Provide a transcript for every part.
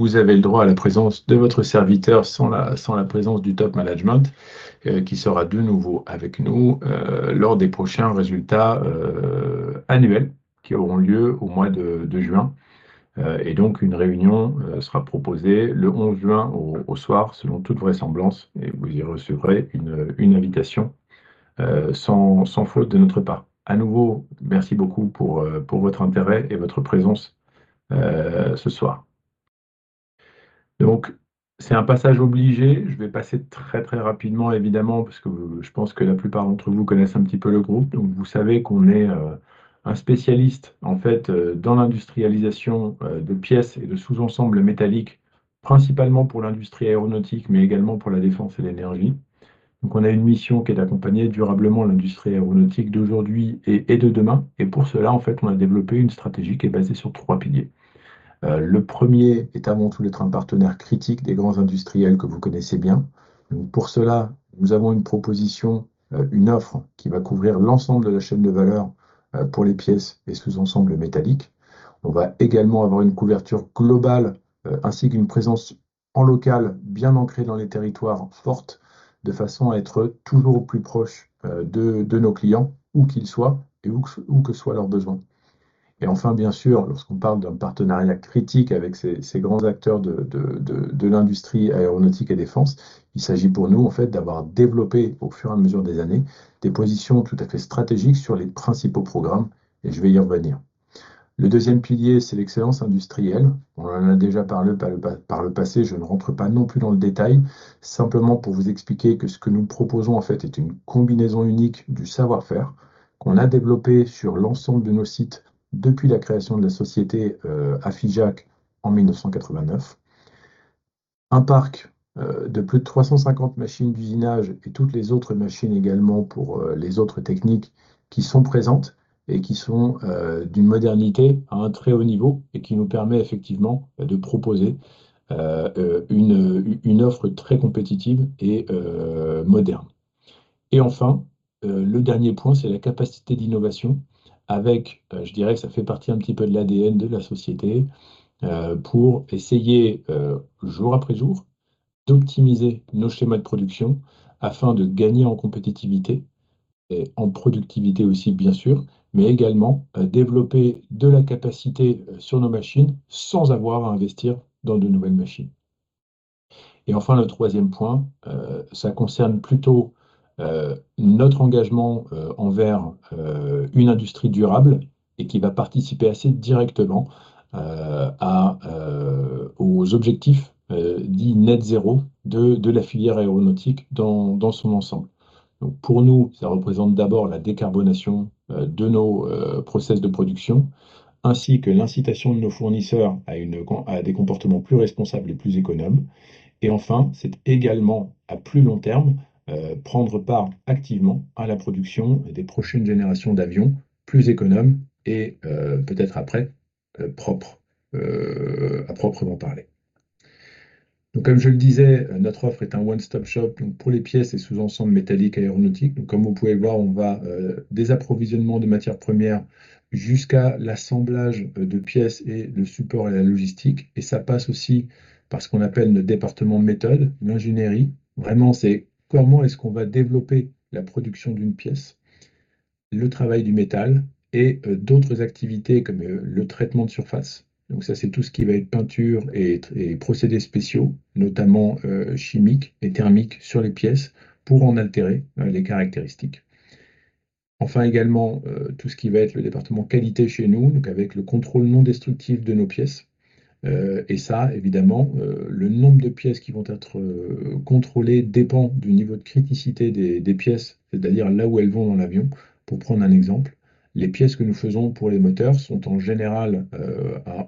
Vous avez le droit à la présence de votre serviteur, sans la présence du top management, qui sera de nouveau avec nous lors des prochains résultats annuels qui auront lieu au mois de juin. Et donc une réunion sera proposée le onze juin au soir, selon toute vraisemblance, et vous y recevrez une invitation sans faute de notre part. À nouveau, merci beaucoup pour votre intérêt et votre présence ce soir. Donc, c'est un passage obligé. Je vais passer très rapidement, évidemment, parce que je pense que la plupart d'entre vous connaissent un petit peu le groupe. Donc vous savez qu'on est un spécialiste, en fait, dans l'industrialisation de pièces et de sous-ensembles métalliques, principalement pour l'industrie aéronautique, mais également pour la défense et l'énergie. Donc, on a une mission qui est d'accompagner durablement l'industrie aéronautique d'aujourd'hui et de demain. Et pour cela, en fait, on a développé une stratégie qui est basée sur trois piliers. Le premier est avant tout d'être un partenaire critique des grands industriels que vous connaissez bien. Pour cela, nous avons une proposition, une offre qui va couvrir l'ensemble de la chaîne de valeur pour les pièces et sous-ensembles métalliques. On va également avoir une couverture globale ainsi qu'une présence en local bien ancrée dans les territoires, forte, de façon à être toujours au plus proche de nos clients, où qu'ils soient et où que soient leurs besoins. Et enfin, bien sûr, lorsqu'on parle d'un partenariat critique avec ces grands acteurs de l'industrie aéronautique et défense, il s'agit pour nous, en fait, d'avoir développé, au fur et à mesure des années, des positions tout à fait stratégiques sur les principaux programmes et je vais y revenir. Le deuxième pilier, c'est l'excellence industrielle. On en a déjà parlé par le passé. Je ne rentre pas non plus dans le détail, simplement pour vous expliquer que ce que nous proposons, en fait, est une combinaison unique du savoir-faire qu'on a développé sur l'ensemble de nos sites depuis la création de la société Afijac, en 1989. Un parc de plus de trois cent cinquante machines d'usinage et toutes les autres machines également pour les autres techniques qui sont présentes et qui sont d'une modernité à un très haut niveau et qui nous permet effectivement de proposer une offre très compétitive et moderne. Et enfin, le dernier point, c'est la capacité d'innovation avec, je dirais que ça fait partie un petit peu de l'ADN de la société, pour essayer, jour après jour, d'optimiser nos schémas de production afin de gagner en compétitivité et en productivité aussi, bien sûr, mais également développer de la capacité sur nos machines sans avoir à investir dans de nouvelles machines. Et enfin, le troisième point concerne plutôt notre engagement envers une industrie durable et qui va participer assez directement aux objectifs dits net zéro de la filière aéronautique dans son ensemble. Donc pour nous, ça représente d'abord la décarbonation de nos process de production, ainsi que l'incitation de nos fournisseurs à des comportements plus responsables et plus économes. Et enfin, c'est également, à plus long terme, prendre part activement à la production des prochaines générations d'avions, plus économes et peut-être après, propres à proprement parler. Donc, comme je le disais, notre offre est un one-stop shop, donc pour les pièces et sous-ensembles métalliques aéronautiques. Comme vous pouvez le voir, on va des approvisionnements de matières premières jusqu'à l'assemblage de pièces et le support et la logistique. Et ça passe aussi par ce qu'on appelle le département méthode, l'ingénierie. Vraiment, c'est comment est-ce qu'on va développer la production d'une pièce, le travail du métal et d'autres activités comme le traitement de surface. Donc ça, c'est tout ce qui va être peinture et procédés spéciaux, notamment chimiques et thermiques, sur les pièces, pour en altérer les caractéristiques. Enfin, également, tout ce qui va être le département qualité chez nous, donc avec le contrôle non destructif de nos pièces. Et ça, évidemment, le nombre de pièces qui vont être contrôlées dépend du niveau de criticité des pièces, c'est-à-dire là où elles vont dans l'avion. Pour prendre un exemple, les pièces que nous faisons pour les moteurs sont en général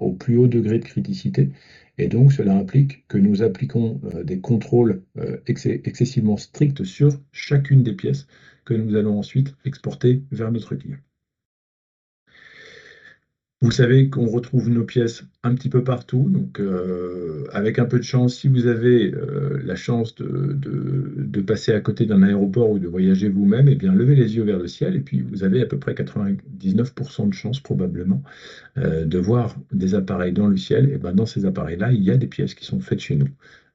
au plus haut degré de criticité et donc cela implique que nous appliquons des contrôles excessivement stricts sur chacune des pièces que nous allons ensuite exporter vers notre client. Vous savez qu'on retrouve nos pièces un petit peu partout, donc avec un peu de chance, si vous avez la chance de passer à côté d'un aéroport ou de voyager vous-même, levez les yeux vers le ciel et puis vous avez à peu près 99% de chances, probablement, de voir des appareils dans le ciel. Dans ces appareils-là, il y a des pièces qui sont faites chez nous,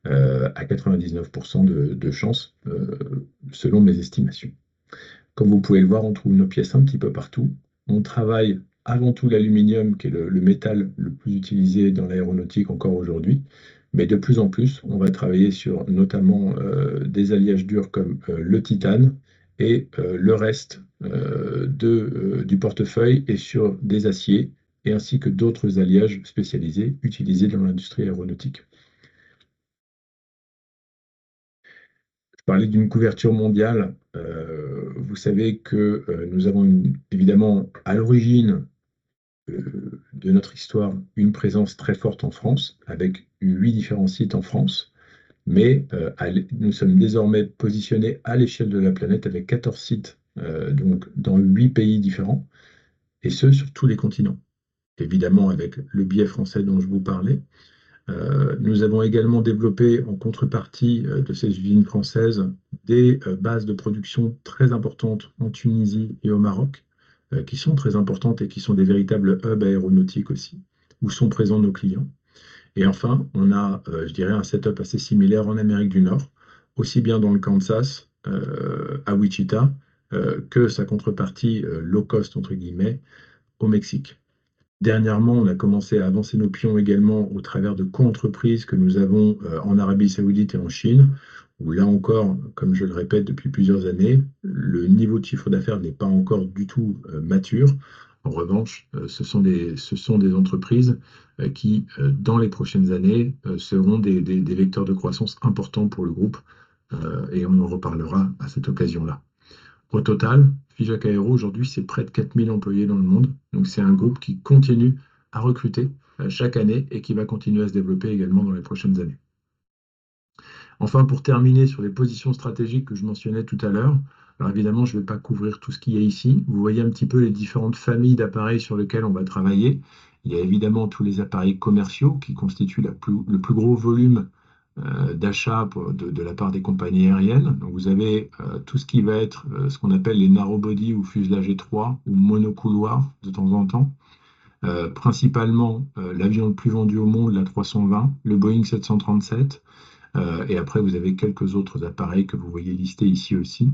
à 99% de chances selon mes estimations. Comme vous pouvez le voir, on trouve nos pièces un petit peu partout. On travaille avant tout l'aluminium, qui est le métal le plus utilisé dans l'aéronautique, encore aujourd'hui. Mais de plus en plus, on va travailler sur, notamment, des alliages durs comme le titane et le reste du portefeuille et sur des aciers ainsi que d'autres alliages spécialisés utilisés dans l'industrie aéronautique. Je parlais d'une couverture mondiale, vous savez que nous avons évidemment, à l'origine de notre histoire, une présence très forte en France, avec huit différents sites en France, mais nous sommes désormais positionnés à l'échelle de la planète avec quatorze sites, donc dans huit pays différents, et ce, sur tous les continents. Évidemment, avec le biais français dont je vous parlais, nous avons également développé, en contrepartie de ces usines françaises, des bases de production très importantes en Tunisie et au Maroc, qui sont très importantes et qui sont des véritables hubs aéronautiques aussi où sont présents nos clients. Et enfin, on a, je dirais, un setup assez similaire en Amérique du Nord, aussi bien dans le Kansas, à Wichita, que sa contrepartie low cost, entre guillemets, au Mexique. Dernièrement, on a commencé à avancer nos pions également au travers de coentreprises que nous avons en Arabie Saoudite et en Chine, où là encore, comme je le répète depuis plusieurs années, le niveau de chiffre d'affaires n'est pas encore du tout mature. En revanche, ce sont des entreprises qui, dans les prochaines années, seront des vecteurs de croissance importants pour le groupe, et on en reparlera à cette occasion-là. Au total, Fija Aero, aujourd'hui, c'est près de quatre mille employés dans le monde. Donc c'est un groupe qui continue à recruter chaque année et qui va continuer à se développer également dans les prochaines années. Enfin, pour terminer sur les positions stratégiques que je mentionnais tout à l'heure, alors évidemment, je ne vais pas couvrir tout ce qu'il y a ici. Vous voyez un petit peu les différentes familles d'appareils sur lesquels on va travailler. Il y a évidemment tous les appareils commerciaux qui constituent le plus gros volume d'achat de la part des compagnies aériennes. Donc, vous avez tout ce qui va être ce qu'on appelle les narrow body ou fuselage étroit ou monocouloir de temps en temps, principalement l'avion le plus vendu au monde, l'A320, le Boeing 737. Et après, vous avez quelques autres appareils que vous voyez listés ici aussi.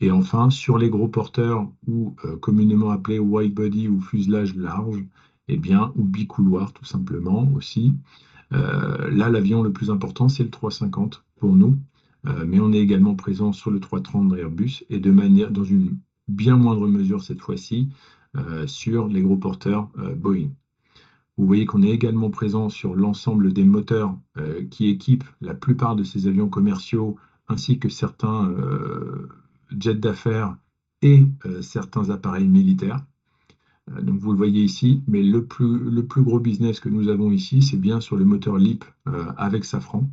Et enfin, sur les gros porteurs ou communément appelés wide body ou fuselage large, ou bicouloir, tout simplement aussi. Là, l'avion le plus important, c'est le 350 pour nous, mais on est également présent sur le 330 d'Airbus et de manière, dans une bien moindre mesure cette fois-ci, sur les gros porteurs Boeing. Vous voyez qu'on est également présent sur l'ensemble des moteurs qui équipent la plupart de ces avions commerciaux, ainsi que certains jets d'affaires et certains appareils militaires. Donc, vous le voyez ici, mais le plus gros business que nous avons ici, c'est bien sûr le moteur LEAP avec Safran,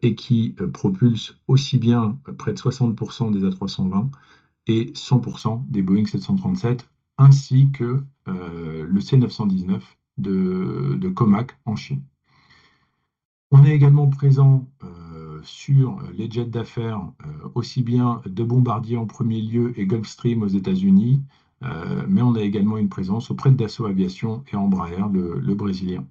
et qui propulse aussi bien près de 60% des A320 et 100% des Boeing 737, ainsi que le C919 de COMAC en Chine. On est également présent sur les jets d'affaires, aussi bien de Bombardier en premier lieu et Gulfstream aux États-Unis, mais on a également une présence auprès de Dassault Aviation et Embraer, le Brésilien.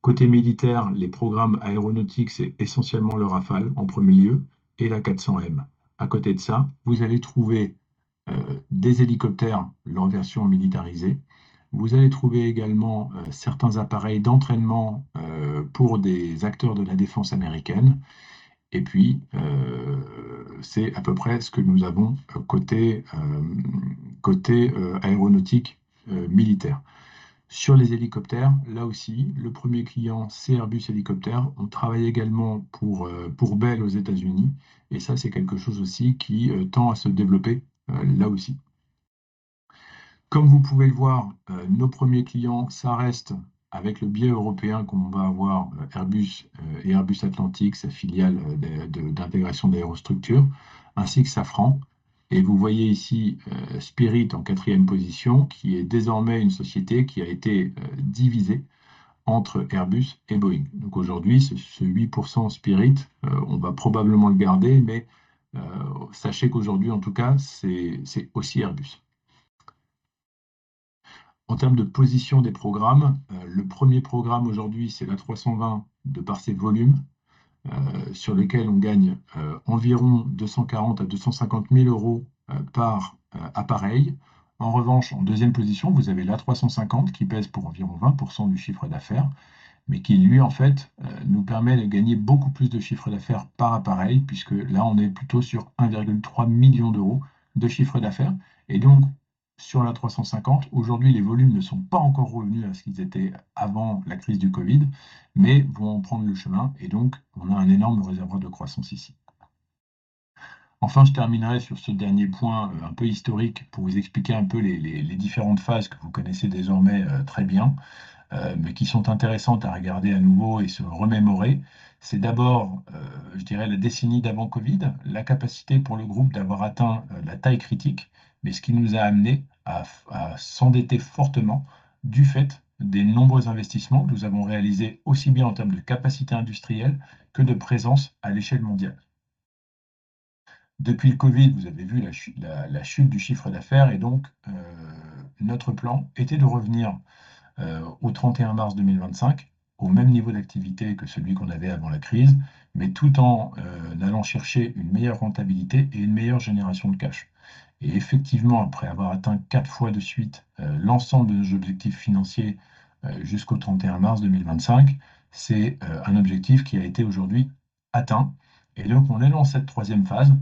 Côté militaire, les programmes aéronautiques, c'est essentiellement le Rafale en premier lieu et l'A400M. À côté de ça, vous allez trouver des hélicoptères, leur version militarisée. Vous allez trouver également certains appareils d'entraînement pour des acteurs de la défense américaine. Et puis, c'est à peu près ce que nous avons côté aéronautique militaire. Sur les hélicoptères, là aussi, le premier client, c'est Airbus Hélicoptères. On travaille également pour Bell aux États-Unis. Et ça, c'est quelque chose aussi qui tend à se développer là aussi. Comme vous pouvez le voir, nos premiers clients, ça reste avec le biais européen qu'on va avoir Airbus et Airbus Atlantic, sa filiale d'intégration d'aérostructures, ainsi que Safran. Et vous voyez ici Spirit en quatrième position, qui est désormais une société qui a été divisée entre Airbus et Boeing. Donc aujourd'hui, ce 8% Spirit, on va probablement le garder, mais sachez qu'aujourd'hui, en tout cas, c'est aussi Airbus. En termes de position des programmes, le premier programme aujourd'hui, c'est l'A320, de par ses volumes, sur lesquels on gagne environ 240 000 à 250 000 euros par appareil. En revanche, en deuxième position, vous avez l'A350, qui pèse pour environ 20% du chiffre d'affaires, mais qui, lui, en fait, nous permet de gagner beaucoup plus de chiffre d'affaires par appareil, puisque là, on est plutôt sur 1,3 million d'euros de chiffre d'affaires. Et donc, sur l'A350, aujourd'hui, les volumes ne sont pas encore revenus à ce qu'ils étaient avant la crise du COVID, mais vont prendre le chemin et donc on a un énorme réservoir de croissance ici. Enfin, je terminerai sur ce dernier point un peu historique pour vous expliquer un peu les différentes phases que vous connaissez désormais très bien, mais qui sont intéressantes à regarder à nouveau et se remémorer. C'est d'abord, je dirais, la décennie d'avant COVID, la capacité pour le groupe d'avoir atteint la taille critique, mais ce qui nous a amenés à nous endetter fortement du fait des nombreux investissements que nous avons réalisés, aussi bien en termes de capacité industrielle que de présence à l'échelle mondiale. Depuis le COVID, vous avez vu la chute du chiffre d'affaires et donc notre plan était de revenir, au 31 mars 2025, au même niveau d'activité que celui qu'on avait avant la crise, mais tout en allant chercher une meilleure rentabilité et une meilleure génération de cash. Et effectivement, après avoir atteint quatre fois de suite l'ensemble de nos objectifs financiers jusqu'au 31 mars 2025, c'est un objectif qui a été aujourd'hui atteint. Et donc, on est dans cette troisième phase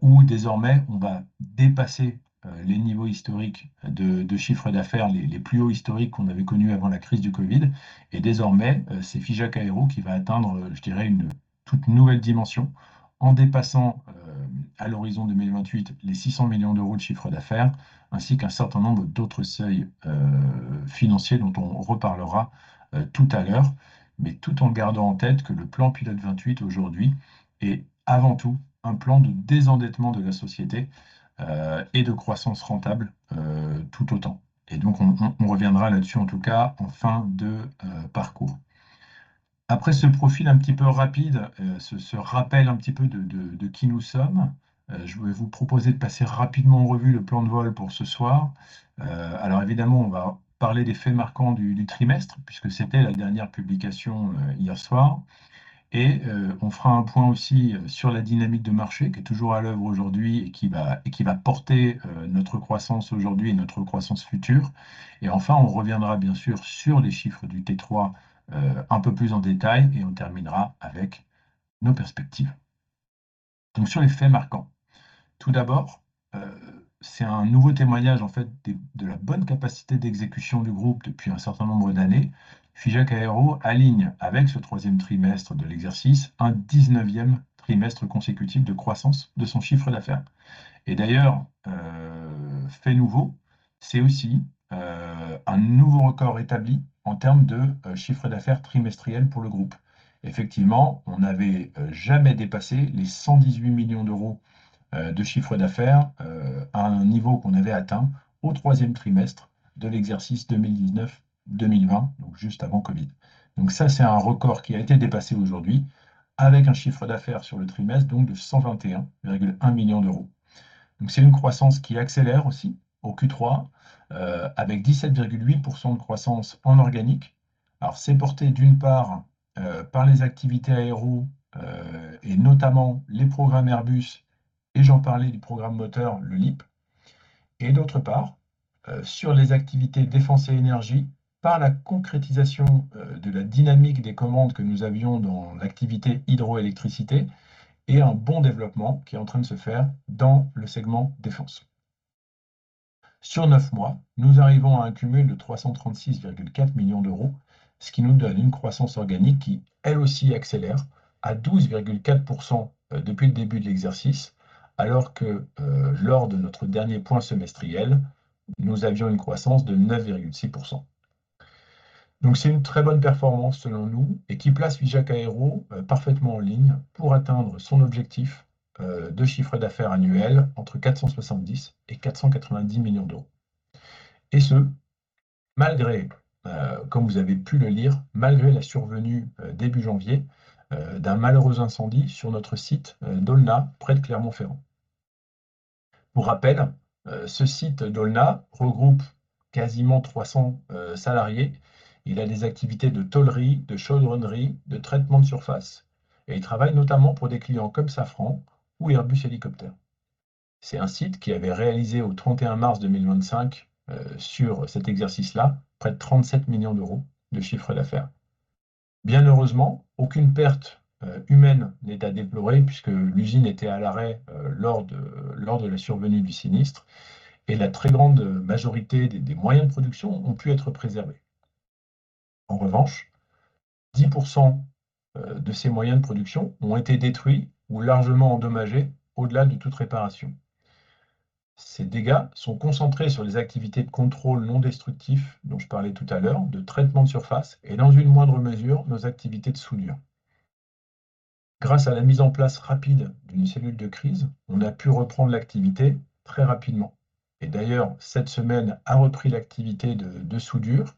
où désormais, on va dépasser les niveaux historiques de chiffre d'affaires, les plus hauts historiques qu'on avait connus avant la crise du COVID. Et désormais, c'est Fija Aero qui va atteindre, je dirais, une toute nouvelle dimension en dépassant, à l'horizon 2028, les €600 millions de chiffre d'affaires, ainsi qu'un certain nombre d'autres seuils financiers dont on reparlera tout à l'heure, mais tout en gardant en tête que le plan Pilot 28, aujourd'hui, est avant tout un plan de désendettement de la société et de croissance rentable tout autant. Et donc, on reviendra là-dessus, en tout cas, en fin de parcours. Après ce profil un petit peu rapide, ce rappel un petit peu de qui nous sommes, je vais vous proposer de passer rapidement en revue le plan de vol pour ce soir. Alors évidemment, on va parler des faits marquants du trimestre, puisque c'était la dernière publication hier soir. Et on fera un point aussi sur la dynamique de marché, qui est toujours à l'œuvre aujourd'hui et qui va porter notre croissance aujourd'hui et notre croissance future. Et enfin, on reviendra bien sûr sur les chiffres du T3, un peu plus en détail et on terminera avec nos perspectives. Donc, sur les faits marquants. Tout d'abord, c'est un nouveau témoignage en fait des de la bonne capacité d'exécution du groupe depuis un certain nombre d'années. Figeac Aéro aligne, avec ce troisième trimestre de l'exercice, un dix-neuvième trimestre consécutif de croissance de son chiffre d'affaires. D'ailleurs, fait nouveau, c'est aussi un nouveau record établi en termes de chiffre d'affaires trimestriel pour le groupe. Effectivement, on n'avait jamais dépassé les 118 millions d'euros de chiffre d'affaires à un niveau qu'on avait atteint au troisième trimestre de l'exercice 2019-2020, donc juste avant Covid. Donc ça, c'est un record qui a été dépassé aujourd'hui avec un chiffre d'affaires sur le trimestre, donc, de 121,1 millions d'euros. Donc c'est une croissance qui accélère aussi au Q3 avec 17,8% de croissance en organique. Alors, c'est porté d'une part par les activités aéro, et notamment les programmes Airbus. Et j'en parlais du programme moteur, le LEAP. Et d'autre part, sur les activités défense et énergie, par la concrétisation de la dynamique des commandes que nous avions dans l'activité hydroélectricité et un bon développement qui est en train de se faire dans le segment défense. Sur neuf mois, nous arrivons à un cumul de 336,4 millions d'euros, ce qui nous donne une croissance organique qui, elle aussi, accélère à 12,4% depuis le début de l'exercice, alors que lors de notre dernier point semestriel, nous avions une croissance de 9,6%. C'est une très bonne performance, selon nous, et qui place Figeac Aéro parfaitement en ligne pour atteindre son objectif de chiffre d'affaires annuel entre 470 et 490 millions d'euros. Et ce, malgré, comme vous avez pu le lire, malgré la survenue début janvier d'un malheureux incendie sur notre site d'Aulnat, près de Clermont-Ferrand. Pour rappel, ce site d'Aulnat regroupe quasiment 300 salariés. Il a des activités de tôlerie, de chaudronnerie, de traitement de surface et il travaille notamment pour des clients comme Safran ou Airbus Hélicoptères. C'est un site qui avait réalisé au 31 mars 2025, sur cet exercice-là, près de 37 millions d'euros de chiffre d'affaires. Bien heureusement, aucune perte humaine n'est à déplorer puisque l'usine était à l'arrêt lors de la survenue du sinistre et la très grande majorité des moyens de production ont pu être préservés. En revanche, 10% de ces moyens de production ont été détruits ou largement endommagés au-delà de toute réparation. Ces dégâts sont concentrés sur les activités de contrôle non destructif, dont je parlais tout à l'heure, de traitement de surface et dans une moindre mesure, nos activités de soudure. Grâce à la mise en place rapide d'une cellule de crise, on a pu reprendre l'activité très rapidement. D'ailleurs, cette semaine a repris l'activité de soudure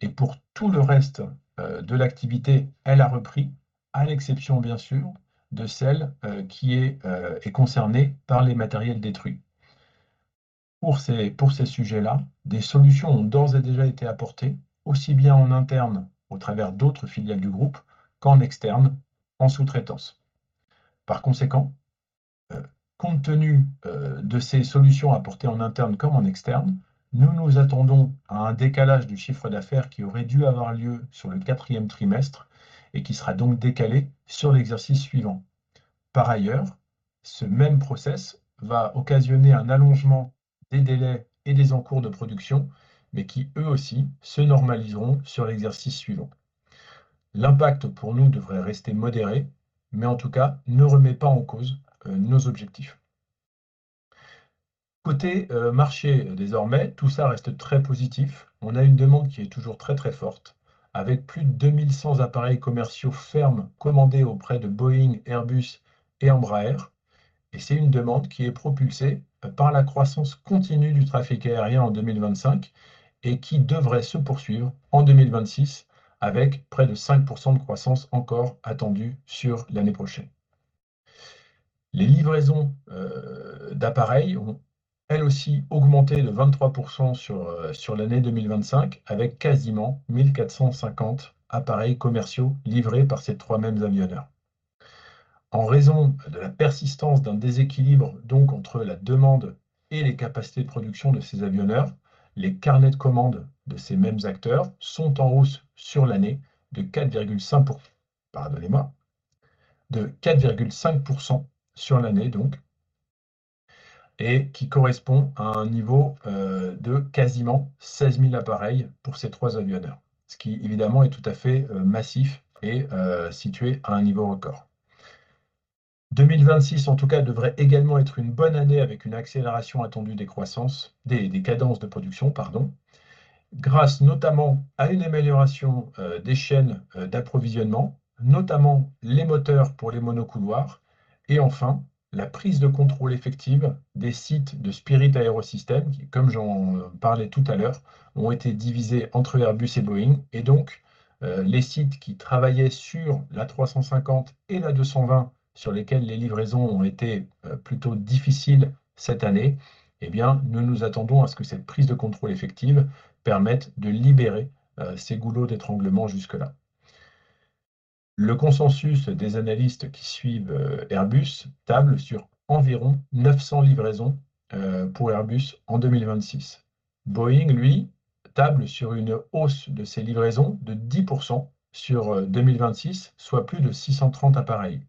et pour tout le reste de l'activité, elle a repris, à l'exception bien sûr de celle qui est concernée par les matériels détruits. Pour ces sujets-là, des solutions ont d'ores et déjà été apportées, aussi bien en interne, au travers d'autres filiales du groupe, qu'en externe, en sous-traitance. Par conséquent, compte tenu de ces solutions apportées en interne comme en externe, nous nous attendons à un décalage du chiffre d'affaires qui aurait dû avoir lieu sur le quatrième trimestre et qui sera donc décalé sur l'exercice suivant. Par ailleurs, ce même processus va occasionner un allongement des délais et des encours de production, mais qui, eux aussi, se normaliseront sur l'exercice suivant. L'impact pour nous devrait rester modéré, mais en tout cas, ne remet pas en cause nos objectifs. Côté marché, désormais, tout ça reste très positif. On a une demande qui est toujours très forte, avec plus de 2 100 appareils commerciaux fermes commandés auprès de Boeing, Airbus et Embraer. Et c'est une demande qui est propulsée par la croissance continue du trafic aérien en 2025 et qui devrait se poursuivre en 2026, avec près de 5% de croissance encore attendue sur l'année prochaine. Les livraisons d'appareils ont, elles aussi, augmenté de 23% sur l'année 2025, avec quasiment 1 450 appareils commerciaux livrés par ces trois mêmes avionneurs. En raison de la persistance d'un déséquilibre, donc, entre la demande et les capacités de production de ces avionneurs, les carnets de commandes de ces mêmes acteurs sont en hausse sur l'année de 4,5% sur l'année, donc, et qui correspond à un niveau de quasiment 16 000 appareils pour ces trois avionneurs. Ce qui, évidemment, est tout à fait massif et situé à un niveau record. Deux mille vingt-six, en tout cas, devrait également être une bonne année, avec une accélération attendue des croissances, des cadences de production, pardon, grâce notamment à une amélioration des chaînes d'approvisionnement, notamment les moteurs pour les monocouloirs. Et enfin, la prise de contrôle effective des sites de Spirit Aerosystems, qui, comme j'en parlais tout à l'heure, ont été divisés entre Airbus et Boeing. Et donc, les sites qui travaillaient sur l'A350 et l'A220, sur lesquels les livraisons ont été plutôt difficiles cette année, nous nous attendons à ce que cette prise de contrôle effective permette de libérer ces goulots d'étranglement jusque-là. Le consensus des analystes qui suivent Airbus table sur environ neuf cents livraisons pour Airbus en 2026. Boeing, lui, table sur une hausse de ses livraisons de 10% sur 2026, soit plus de six cent trente appareils.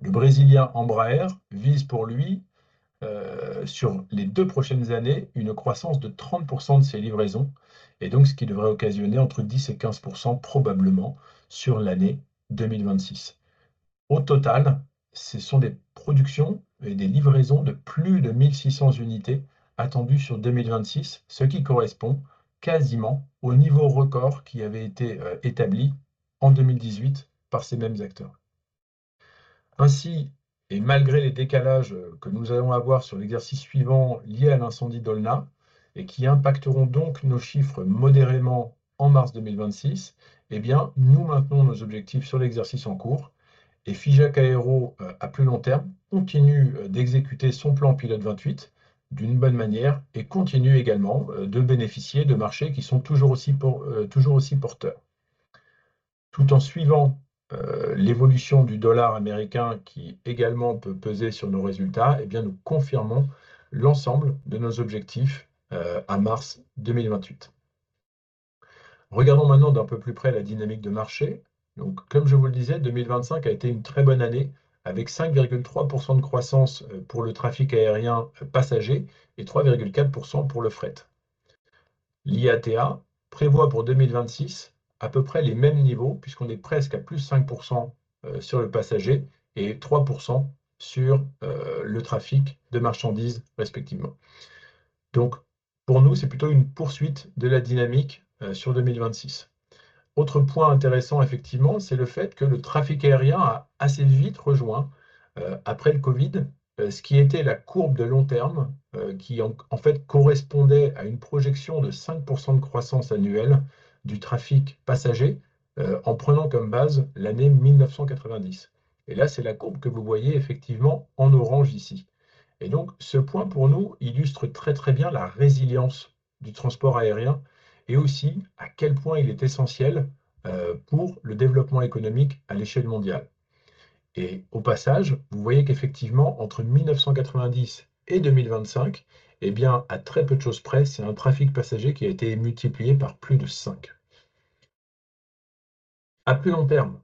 Le Brésilien Embraer vise pour lui sur les deux prochaines années une croissance de 30% de ses livraisons, et donc ce qui devrait occasionner entre 10% et 15%, probablement, sur l'année 2026. Au total, ce sont des productions et des livraisons de plus de 1 600 unités attendues sur 2026, ce qui correspond quasiment au niveau record qui avait été établi en 2018 par ces mêmes acteurs. Ainsi, et malgré les décalages que nous allons avoir sur l'exercice suivant lié à l'incendie d'Olna et qui impacteront donc nos chiffres modérément en mars 2026, nous maintenons nos objectifs sur l'exercice en cours et Figeac Aéro, à plus long terme, continue d'exécuter son plan Pilote 28 d'une bonne manière et continue également de bénéficier de marchés qui sont toujours aussi porteurs. Tout en suivant l'évolution du dollar américain, qui également peut peser sur nos résultats, nous confirmons l'ensemble de nos objectifs à mars 2028. Regardons maintenant d'un peu plus près la dynamique de marché. Comme je vous le disais, 2025 a été une très bonne année, avec 5,3% de croissance pour le trafic aérien passager et 3,4% pour le fret. L'IATA prévoit pour 2026 à peu près les mêmes niveaux, puisqu'on est presque à plus 5% sur le passager et 3% sur le trafic de marchandises, respectivement. Donc, pour nous, c'est plutôt une poursuite de la dynamique sur 2026. Autre point intéressant, effectivement, c'est le fait que le trafic aérien a assez vite rejoint, après le COVID, ce qui était la courbe de long terme, qui en fait correspondait à une projection de 5% de croissance annuelle du trafic passager, en prenant comme base l'année 1990. Et là, c'est la courbe que vous voyez effectivement en orange, ici. Et donc, ce point, pour nous, illustre très bien la résilience du transport aérien et aussi à quel point il est essentiel pour le développement économique à l'échelle mondiale. Et au passage, vous voyez qu'effectivement, entre 1990 et 2025, à très peu de choses près, c'est un trafic passager qui a été multiplié par plus de cinq. À plus long terme,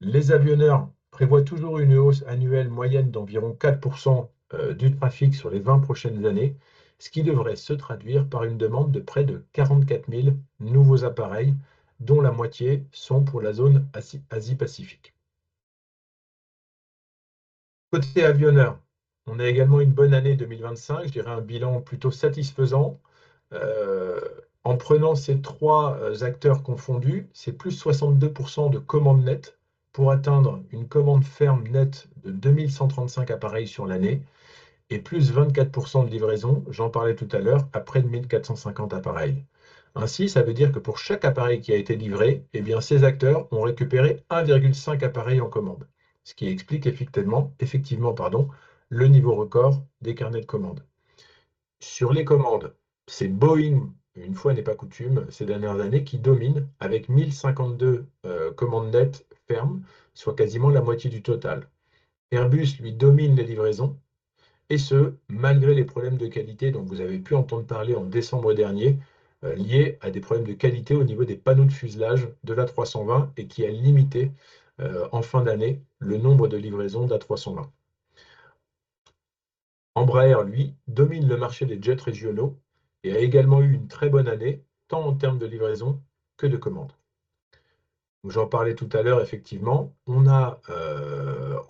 les avionneurs prévoient toujours une hausse annuelle moyenne d'environ 4% du trafic sur les vingt prochaines années, ce qui devrait se traduire par une demande de près de 44 000 nouveaux appareils, dont la moitié sont pour la zone Asie-Pacifique. Côté avionneur, on a également une bonne année 2025, je dirais un bilan plutôt satisfaisant. En prenant ces trois acteurs confondus, c'est plus 62% de commandes nettes pour atteindre une commande ferme nette de 2 135 appareils sur l'année et plus 24% de livraisons, j'en parlais tout à l'heure, à près de 1 450 appareils. Ainsi, ça veut dire que pour chaque appareil qui a été livré, ces acteurs ont récupéré 1,5 appareil en commande, ce qui explique effectivement le niveau record des carnets de commandes. Sur les commandes, c'est Boeing, une fois n'est pas coutume, ces dernières années, qui domine avec 1 052 commandes nettes fermes, soit quasiment la moitié du total. Airbus, lui, domine les livraisons, et ce, malgré les problèmes de qualité dont vous avez pu entendre parler en décembre dernier, liés à des problèmes de qualité au niveau des panneaux de fuselage de l'A320 et qui a limité, en fin d'année, le nombre de livraisons d'A320. Embraer, lui, domine le marché des jets régionaux et a également eu une très bonne année, tant en termes de livraisons que de commandes. J'en parlais tout à l'heure, effectivement, on a,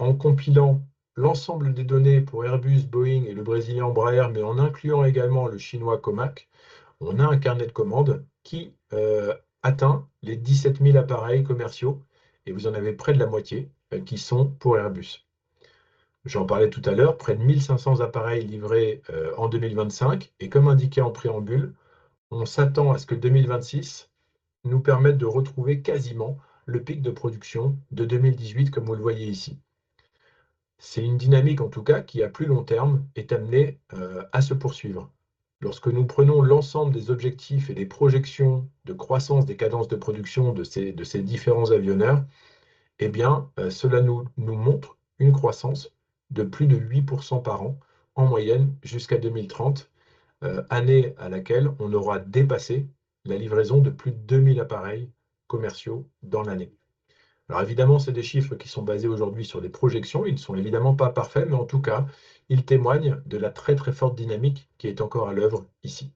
en compilant l'ensemble des données pour Airbus, Boeing et le Brésilien Embraer, mais en incluant également le chinois Comac, on a un carnet de commandes qui atteint les 17 000 appareils commerciaux et vous en avez près de la moitié qui sont pour Airbus. J'en parlais tout à l'heure, près de 1 500 appareils livrés en 2025 et comme indiqué en préambule, on s'attend à ce que 2026 nous permette de retrouver quasiment le pic de production de 2018, comme vous le voyez ici. C'est une dynamique, en tout cas, qui, à plus long terme, est amenée à se poursuivre. Lorsque nous prenons l'ensemble des objectifs et des projections de croissance des cadences de production de ces différents avionneurs, cela nous montre une croissance de plus de 8% par an, en moyenne, jusqu'à 2030, année à laquelle on aura dépassé la livraison de plus de deux mille appareils commerciaux dans l'année. Alors évidemment, c'est des chiffres qui sont basés aujourd'hui sur des projections. Ils ne sont évidemment pas parfaits, mais en tout cas, ils témoignent de la très forte dynamique qui est encore à l'œuvre ici.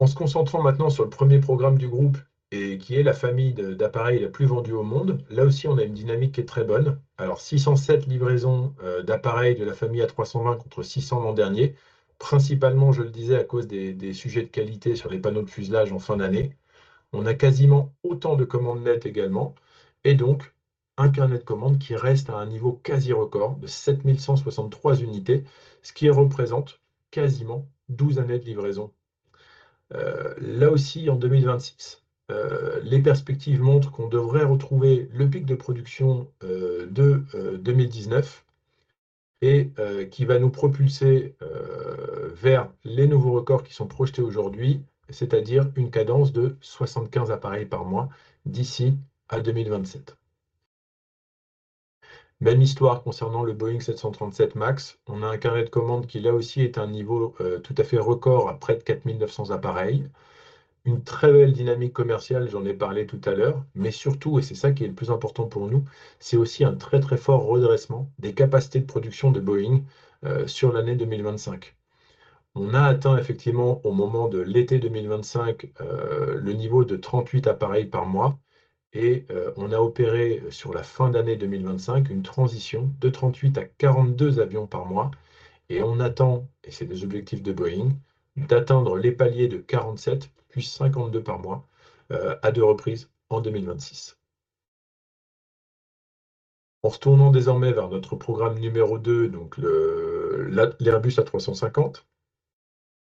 En se concentrant maintenant sur le premier programme du groupe et qui est la famille d'appareils la plus vendue au monde, là aussi, on a une dynamique qui est très bonne. Alors, six cent sept livraisons d'appareils de la famille A320 contre six cents l'an dernier. Principalement, je le disais, à cause des sujets de qualité sur les panneaux de fuselage en fin d'année, on a quasiment autant de commandes nettes également et donc un carnet de commandes qui reste à un niveau quasi record de 7 163 unités, ce qui représente quasiment 12 années de livraison. Là aussi, en 2026, les perspectives montrent qu'on devrait retrouver le pic de production de 2019 et qui va nous propulser vers les nouveaux records qui sont projetés aujourd'hui, c'est-à-dire une cadence de 75 appareils par mois d'ici à 2027. Même histoire concernant le Boeing 737 Max. On a un carnet de commandes qui, là aussi, est à un niveau tout à fait record, à près de 4 900 appareils. Une très belle dynamique commerciale, j'en ai parlé tout à l'heure, mais surtout, et c'est ça qui est le plus important pour nous, c'est aussi un très fort redressement des capacités de production de Boeing sur l'année 2025. On a atteint effectivement, au moment de l'été 2025, le niveau de 38 appareils par mois et on a opéré sur la fin d'année 2025, une transition de 38 à 42 avions par mois. On attend, et c'est des objectifs de Boeing, d'atteindre les paliers de 47, puis 52 par mois, à deux reprises en 2026. En retournant désormais vers notre programme numéro deux, donc l'Airbus A350,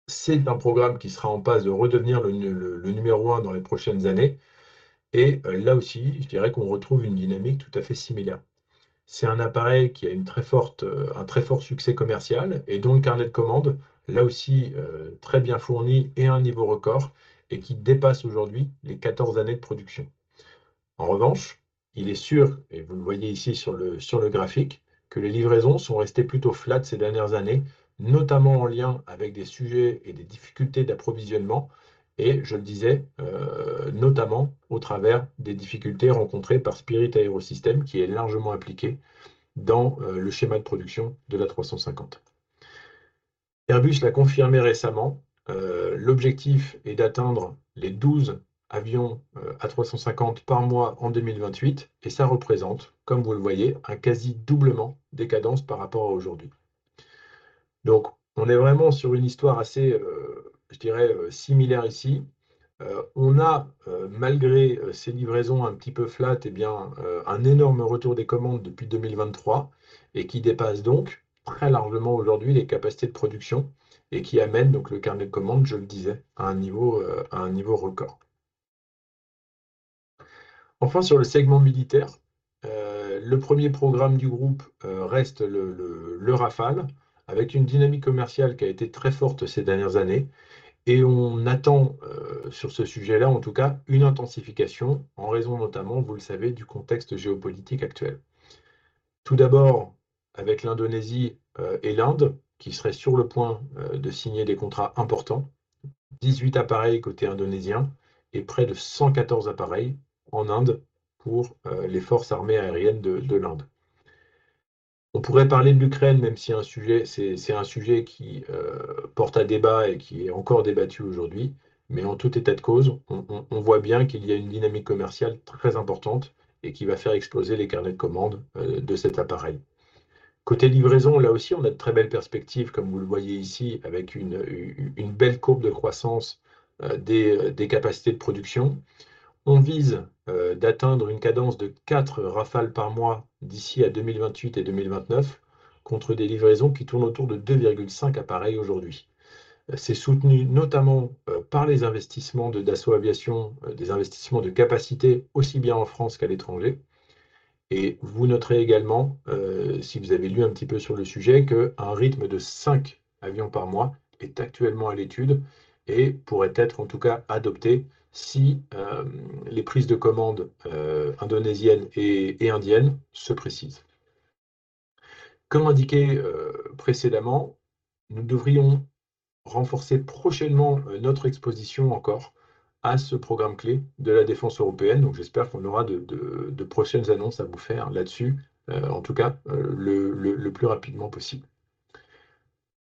c'est un programme qui sera en passe de redevenir le numéro un dans les prochaines années. Là aussi, je dirais qu'on retrouve une dynamique tout à fait similaire. C'est un appareil qui a un très fort succès commercial et dont le carnet de commandes, là aussi, très bien fourni et un niveau record et qui dépasse aujourd'hui les quatorze années de production. En revanche, il est sûr, et vous le voyez ici sur le graphique, que les livraisons sont restées plutôt plates ces dernières années, notamment en lien avec des sujets et des difficultés d'approvisionnement. Et je le disais, notamment au travers des difficultés rencontrées par Spirit Aérosystème, qui est largement appliqué dans le schéma de production de l'A350. Airbus l'a confirmé récemment, l'objectif est d'atteindre les douze avions A350 par mois en 2028 et ça représente, comme vous le voyez, un quasi doublement des cadences par rapport à aujourd'hui. Donc, on est vraiment sur une histoire assez similaire ici. Malgré ces livraisons un petit peu plates, nous avons un énorme retour des commandes depuis 2023 qui dépasse donc très largement aujourd'hui les capacités de production et qui amène donc le carnet de commandes à un niveau record. Sur le segment militaire, le premier programme du groupe reste le Rafale, avec une dynamique commerciale qui a été très forte ces dernières années. Nous attendons sur ce sujet une intensification, en raison notamment du contexte géopolitique actuel. Tout d'abord, avec l'Indonésie et l'Inde, qui seraient sur le point de signer des contrats importants: dix-huit appareils côté indonésien et près de cent quatorze appareils en Inde pour les forces armées aériennes de l'Inde. On pourrait parler de l'Ukraine, même si c'est un sujet qui porte à débat et qui est encore débattu aujourd'hui. Mais en tout état de cause, on voit bien qu'il y a une dynamique commerciale très importante et qui va faire exploser les carnets de commandes de cet appareil. Côté livraison, là aussi, on a de très belles perspectives, comme vous le voyez ici, avec une belle courbe de croissance des capacités de production. On vise d'atteindre une cadence de quatre Rafales par mois d'ici à 2028 et 2029, contre des livraisons qui tournent autour de 2,5 appareils aujourd'hui. C'est soutenu notamment par les investissements de Dassault Aviation, des investissements de capacité aussi bien en France qu'à l'étranger. Et vous noterez également, si vous avez lu un petit peu sur le sujet, qu'un rythme de cinq avions par mois est actuellement à l'étude et pourrait être en tout cas adopté si les prises de commandes indonésiennes et indiennes se précisent. Comme indiqué précédemment, nous devrions renforcer prochainement notre exposition encore à ce programme clé de la défense européenne. Donc, j'espère qu'on aura de prochaines annonces à vous faire là-dessus, en tout cas, le plus rapidement possible.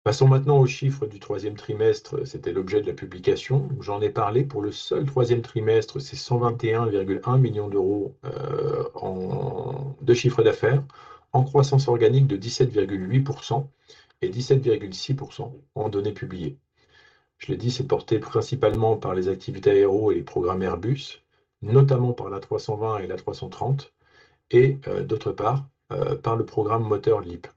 Passons maintenant aux chiffres du troisième trimestre. C'était l'objet de la publication. J'en ai parlé pour le seul troisième trimestre, c'est €121,1 millions de chiffre d'affaires, en croissance organique de 17,8% et 17,6% en données publiées. Je l'ai dit, c'est porté principalement par les activités aéro et les programmes Airbus, notamment par l'A320 et l'A330 et d'autre part, par le programme moteur LEAP.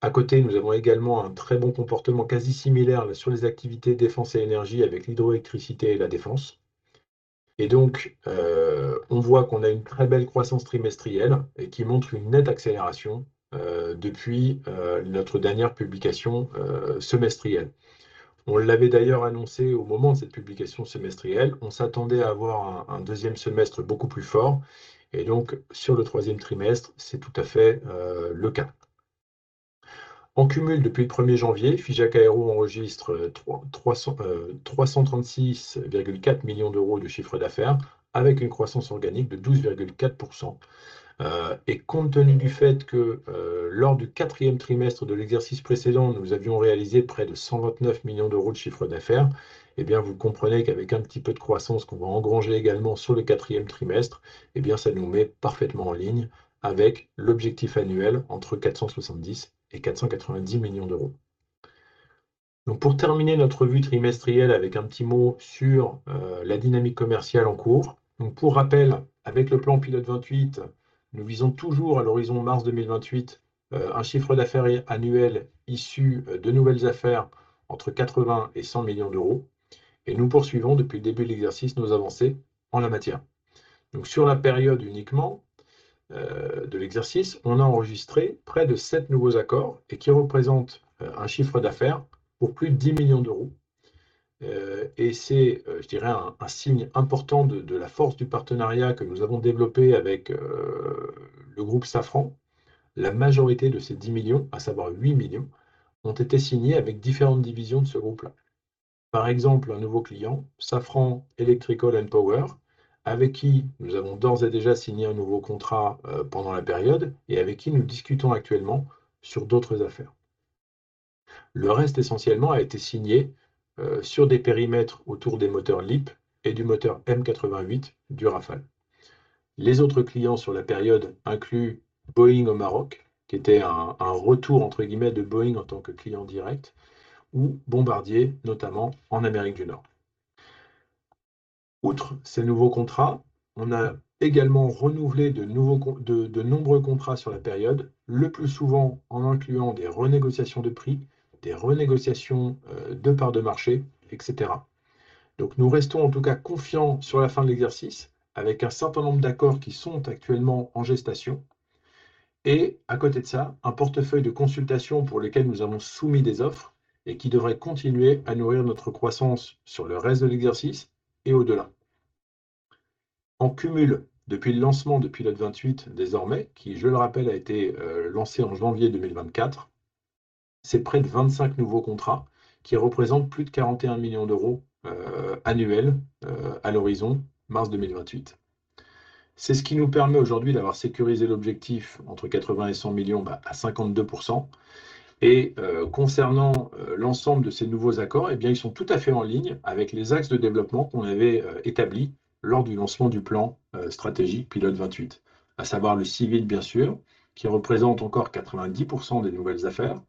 À côté, nous avons également un très bon comportement, quasi similaire sur les activités défense et énergie, avec l'hydroélectricité et la défense. On voit qu'on a une très belle croissance trimestrielle et qui montre une nette accélération depuis notre dernière publication semestrielle. On l'avait d'ailleurs annoncé au moment de cette publication semestrielle. On s'attendait à avoir un deuxième semestre beaucoup plus fort et donc sur le troisième trimestre, c'est tout à fait le cas. En cumul, depuis le premier janvier, Fija Aero enregistre 336,4 millions d'euros de chiffre d'affaires, avec une croissance organique de 12,4%. Et compte tenu du fait que, lors du quatrième trimestre de l'exercice précédent, nous avions réalisé près de cent vingt-neuf millions d'euros de chiffre d'affaires, vous comprenez qu'avec un petit peu de croissance, qu'on va engranger également sur le quatrième trimestre, ça nous met parfaitement en ligne avec l'objectif annuel entre quatre cent soixante-dix et quatre cent quatre-vingt-dix millions d'euros. Donc, pour terminer notre revue trimestrielle avec un petit mot sur la dynamique commerciale en cours. Donc, pour rappel, avec le plan Pilote 28, nous visons toujours à l'horizon mars 2028, un chiffre d'affaires annuel issu de nouvelles affaires entre quatre-vingt et cent millions d'euros et nous poursuivons depuis le début de l'exercice nos avancées en la matière. Donc, sur la période uniquement de l'exercice, on a enregistré près de sept nouveaux accords et qui représentent un chiffre d'affaires pour plus de dix millions d'euros. Et c'est, je dirais, un signe important de la force du partenariat que nous avons développé avec le groupe Safran. La majorité de ces 10 millions, à savoir 8 millions, ont été signés avec différentes divisions de ce groupe-là. Par exemple, un nouveau client, Safran Electrical and Power, avec qui nous avons d'ores et déjà signé un nouveau contrat pendant la période et avec qui nous discutons actuellement sur d'autres affaires. Le reste, essentiellement, a été signé sur des périmètres autour des moteurs LEAP et du moteur M88 du Rafale. Les autres clients sur la période incluent Boeing au Maroc, qui était un retour, entre guillemets, de Boeing en tant que client direct ou Bombardier, notamment en Amérique du Nord. Outre ces nouveaux contrats, on a également renouvelé de nombreux contrats sur la période, le plus souvent en incluant des renégociations de prix, des renégociations de parts de marché, etc. Donc, nous restons en tout cas confiants sur la fin de l'exercice, avec un certain nombre d'accords qui sont actuellement en gestation. Et à côté de ça, un portefeuille de consultations pour lesquels nous avons soumis des offres et qui devrait continuer à nourrir notre croissance sur le reste de l'exercice et au-delà. En cumul, depuis le lancement de Pilote 28, désormais, qui, je le rappelle, a été lancé en janvier 2024, c'est près de vingt-cinq nouveaux contrats qui représentent plus de 41 millions d'euros annuels à l'horizon mars 2028. C'est ce qui nous permet aujourd'hui d'avoir sécurisé l'objectif entre 80 et 100 millions à 52%. Et concernant l'ensemble de ces nouveaux accords, eh bien, ils sont tout à fait en ligne avec les axes de développement qu'on avait établis lors du lancement du plan stratégique Pilote 28, à savoir le civil, bien sûr, qui représente encore 90% des nouvelles affaires,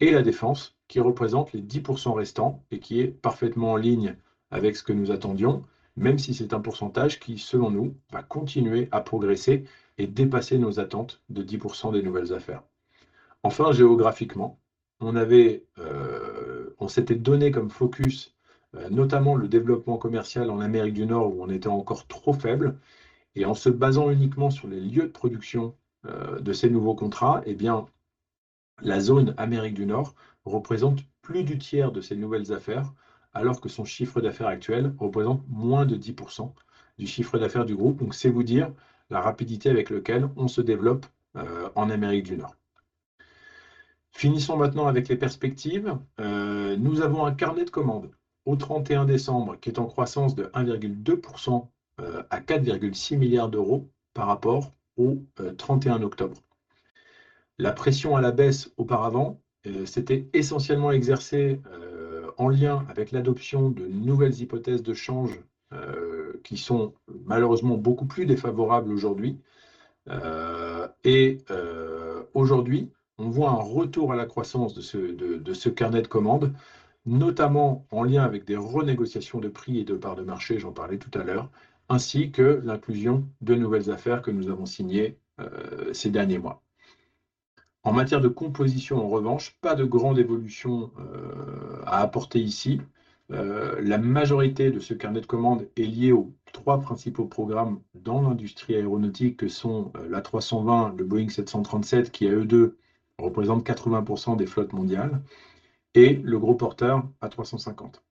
et la défense, qui représente les 10% restants et qui est parfaitement en ligne avec ce que nous attendions, même si c'est un pourcentage qui, selon nous, va continuer à progresser et dépasser nos attentes de 10% des nouvelles affaires. Enfin, géographiquement, on avait, on s'était donné comme focus, notamment le développement commercial en Amérique du Nord, où on était encore trop faible. Et en se basant uniquement sur les lieux de production de ces nouveaux contrats, eh bien, la zone Amérique du Nord représente plus du tiers de ces nouvelles affaires, alors que son chiffre d'affaires actuel représente moins de 10% du chiffre d'affaires du groupe. Donc c'est vous dire la rapidité avec laquelle on se développe en Amérique du Nord. Finissons maintenant avec les perspectives. Nous avons un carnet de commandes au 31 décembre, qui est en croissance de 1,2% à €4,6 milliards par rapport au 31 octobre. La pression à la baisse auparavant s'était essentiellement exercée en lien avec l'adoption de nouvelles hypothèses de change, qui sont malheureusement beaucoup plus défavorables aujourd'hui. Et aujourd'hui, on voit un retour à la croissance de ce carnet de commandes, notamment en lien avec des renégociations de prix et de parts de marché, j'en parlais tout à l'heure, ainsi que l'inclusion de nouvelles affaires que nous avons signées ces derniers mois. En matière de composition, en revanche, pas de grande évolution à apporter ici. La majorité de ce carnet de commandes est liée aux trois principaux programmes dans l'industrie aéronautique que sont l'A320, le Boeing 737, qui, à eux deux, représentent 80% des flottes mondiales, et le gros porteur A350.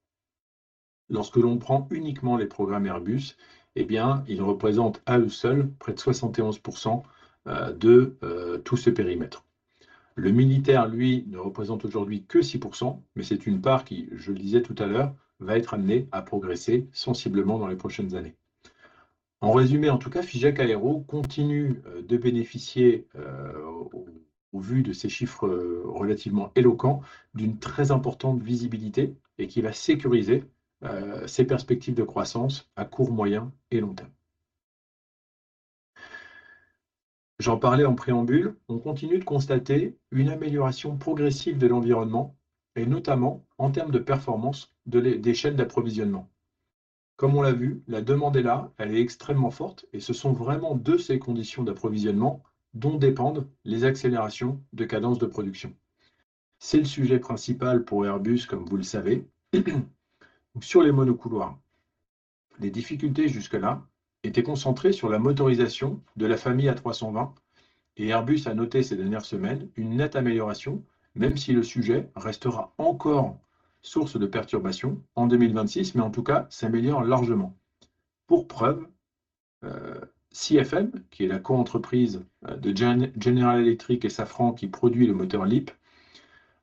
Lorsque l'on prend uniquement les programmes Airbus, eh bien, ils représentent à eux seuls près de 71% de tout ce périmètre. Le militaire, lui, ne représente aujourd'hui que 6%, mais c'est une part qui, je le disais tout à l'heure, va être amenée à progresser sensiblement dans les prochaines années. En résumé, en tout cas, Figeac Aéro continue de bénéficier, au vu de ces chiffres relativement éloquents, d'une très importante visibilité et qui va sécuriser ses perspectives de croissance à court, moyen et long terme. J'en parlais en préambule, on continue de constater une amélioration progressive de l'environnement et notamment en termes de performance des chaînes d'approvisionnement. Comme on l'a vu, la demande est là, elle est extrêmement forte et ce sont vraiment de ces conditions d'approvisionnement dont dépendent les accélérations de cadence de production. C'est le sujet principal pour Airbus, comme vous le savez. Sur les monocouloirs, les difficultés jusque-là étaient concentrées sur la motorisation de la famille A320 et Airbus a noté ces dernières semaines une nette amélioration, même si le sujet restera encore source de perturbations en 2026, mais en tout cas, s'améliore largement. Pour preuve, CFM, qui est la coentreprise de General Electric et Safran, qui produit le moteur LEAP,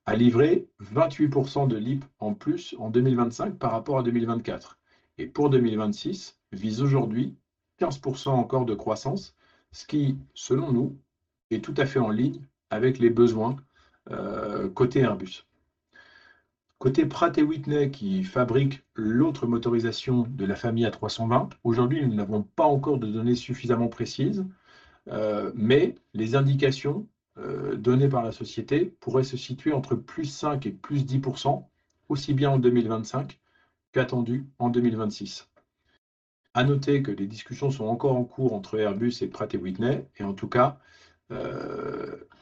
a livré 28% de LEAP en plus en 2025 par rapport à 2024. Pour 2026, vise aujourd'hui 15% encore de croissance, ce qui, selon nous, est tout à fait en ligne avec les besoins côté Airbus. Côté Pratt et Whitney, qui fabrique l'autre motorisation de la famille A320, aujourd'hui, nous n'avons pas encore de données suffisamment précises, mais les indications données par la société pourraient se situer entre plus 5% et plus 10%, aussi bien en 2025 qu'attendu en 2026. À noter que les discussions sont encore en cours entre Airbus et Pratt & Whitney. En tout cas,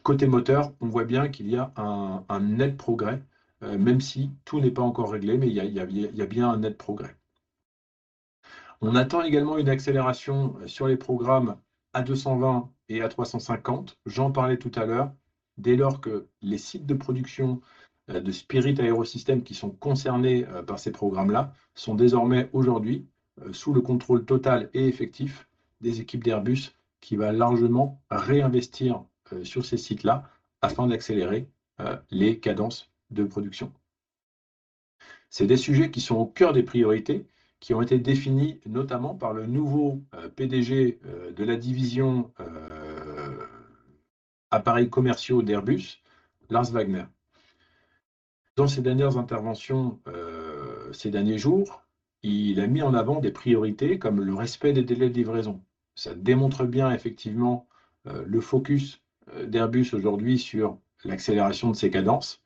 côté moteur, on voit bien qu'il y a un net progrès, même si tout n'est pas encore réglé, mais il y a bien un net progrès. On attend également une accélération sur les programmes A220 et A350. J'en parlais tout à l'heure, dès lors que les sites de production de Spirit AeroSystems, qui sont concernés par ces programmes-là, sont désormais aujourd'hui sous le contrôle total et effectif des équipes d'Airbus, qui va largement réinvestir sur ces sites-là afin d'accélérer les cadences de production. Ce sont des sujets qui sont au cœur des priorités, qui ont été définis notamment par le nouveau PDG de la division appareils commerciaux d'Airbus, Lars Wagner. Dans ses dernières interventions ces derniers jours, il a mis en avant des priorités comme le respect des délais de livraison. Ça démontre bien, effectivement, le focus d'Airbus aujourd'hui sur l'accélération de ses cadences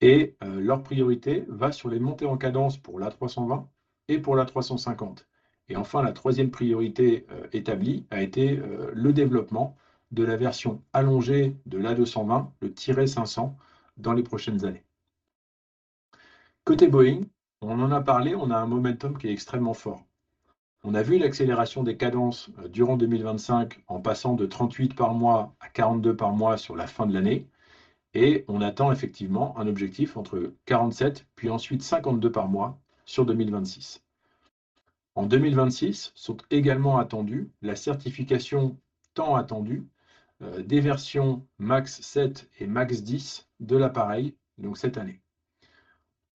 et leur priorité va sur les montées en cadence pour l'A320 et pour l'A350. Et enfin, la troisième priorité établie a été le développement de la version allongée de l'A220, le 500, dans les prochaines années. Côté Boeing, on en a parlé, on a un momentum qui est extrêmement fort. On a vu l'accélération des cadences durant 2025, en passant de 38 par mois à 42 par mois sur la fin de l'année. Et on attend effectivement un objectif entre 47, puis ensuite 52 par mois sur 2026. En 2026, sont également attendus la certification tant attendue des versions Max 7 et Max 10 de l'appareil, donc cette année.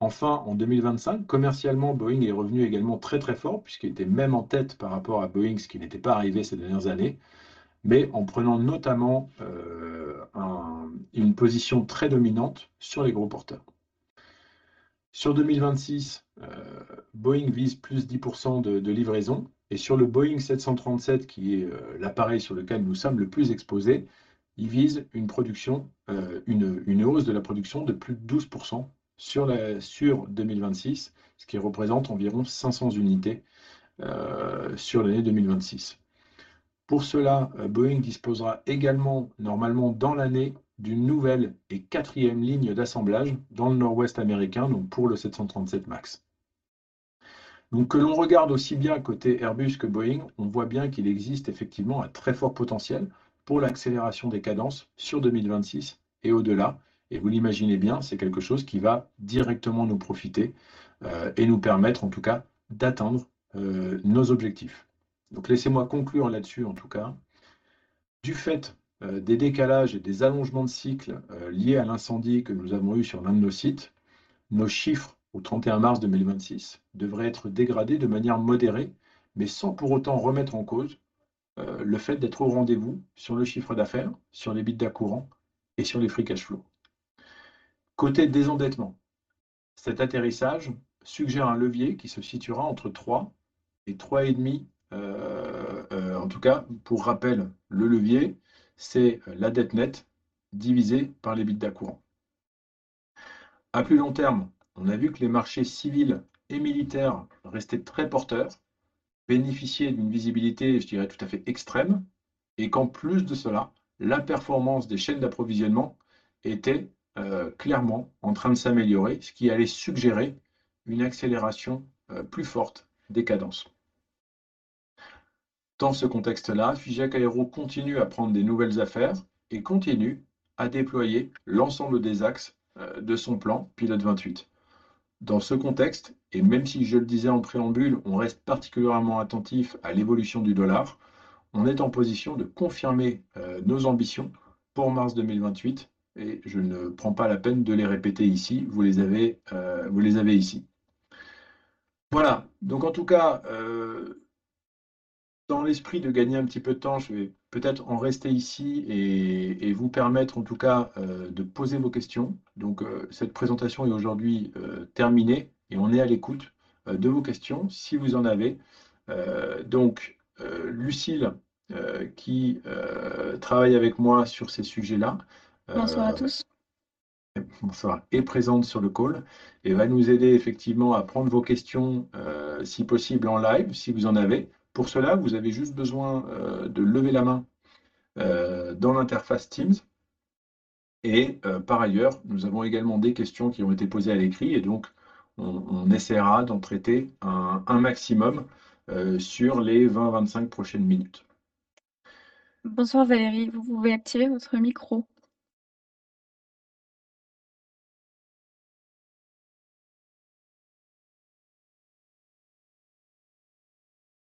Enfin, en 2025, commercialement, Boeing est revenu également très fort, puisqu'il était même en tête par rapport à Airbus, ce qui n'était pas arrivé ces dernières années, mais en prenant notamment une position très dominante sur les gros porteurs. Sur 2026, Boeing vise plus de 10% de livraisons et sur le Boeing 737, qui est l'appareil sur lequel nous sommes le plus exposés, il vise une production, une hausse de la production de plus de 12% sur 2026, ce qui représente environ 500 unités sur l'année 2026. Pour cela, Boeing disposera également, normalement, dans l'année, d'une nouvelle et quatrième ligne d'assemblage dans le nord-ouest américain, donc pour le 737 Max. Donc, que l'on regarde aussi bien côté Airbus que Boeing, on voit bien qu'il existe effectivement un très fort potentiel pour l'accélération des cadences sur 2026 et au-delà. Et vous l'imaginez bien, c'est quelque chose qui va directement nous profiter et nous permettre, en tout cas, d'atteindre nos objectifs. Donc, laissez-moi conclure là-dessus en tout cas. Du fait des décalages et des allongements de cycles liés à l'incendie que nous avons eu sur l'un de nos sites, nos chiffres au 31 mars 2026 devraient être dégradés de manière modérée, mais sans pour autant remettre en cause le fait d'être au rendez-vous sur le chiffre d'affaires, sur l'EBITDA courant et sur les free cash flow. Côté désendettement, cet atterrissage suggère un levier qui se situera entre trois et trois et demi. En tout cas, pour rappel, le levier, c'est la dette nette divisée par l'EBITDA courant. À plus long terme, on a vu que les marchés civils et militaires restaient très porteurs, bénéficiaient d'une visibilité, je dirais, tout à fait extrême et qu'en plus de cela, la performance des chaînes d'approvisionnement était clairement en train de s'améliorer, ce qui allait suggérer une accélération plus forte des cadences. Dans ce contexte-là, Figeac Aéro continue à prendre des nouvelles affaires et continue à déployer l'ensemble des axes de son plan Pilot vingt-huit. Dans ce contexte, et même si je le disais en préambule, on reste particulièrement attentif à l'évolution du dollar, on est en position de confirmer nos ambitions pour mars 2028 et je ne prends pas la peine de les répéter ici. Vous les avez ici. Voilà, donc en tout cas, dans l'esprit de gagner un petit peu de temps, je vais peut-être en rester ici et vous permettre, en tout cas, de poser vos questions. Donc cette présentation est aujourd'hui terminée et on est à l'écoute de vos questions, si vous en avez. Donc Lucile, qui travaille avec moi sur ces sujets-là... Bonsoir à tous. Bonsoir. Est présente sur le call et va nous aider effectivement à prendre vos questions, si possible en live, si vous en avez. Pour cela, vous avez juste besoin de lever la main dans l'interface Teams. Et par ailleurs, nous avons également des questions qui ont été posées à l'écrit et donc, on essaiera d'en traiter un maximum sur les vingt, vingt-cinq prochaines minutes. Bonsoir Valérie, vous pouvez activer votre micro ?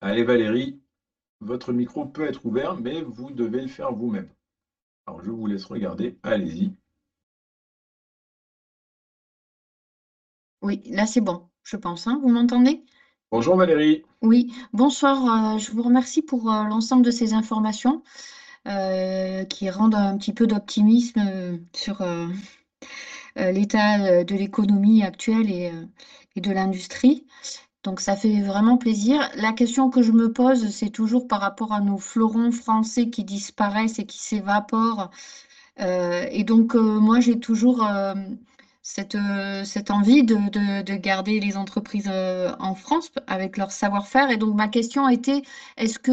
Allez Valérie, votre micro peut être ouvert, mais vous devez le faire vous-même. Alors, je vous laisse regarder. Allez-y. Oui, là, c'est bon, je pense. Vous m'entendez? Bonjour Valérie. Oui, bonsoir, je vous remercie pour l'ensemble de ces informations qui rendent un petit peu d'optimisme sur l'état de l'économie actuelle et de l'industrie. Donc, ça fait vraiment plaisir. La question que je me pose, c'est toujours par rapport à nos fleurons français qui disparaissent et qui s'évaporent et donc, moi, j'ai toujours cette envie de garder les entreprises en France avec leur savoir-faire. Et donc ma question était: est-ce que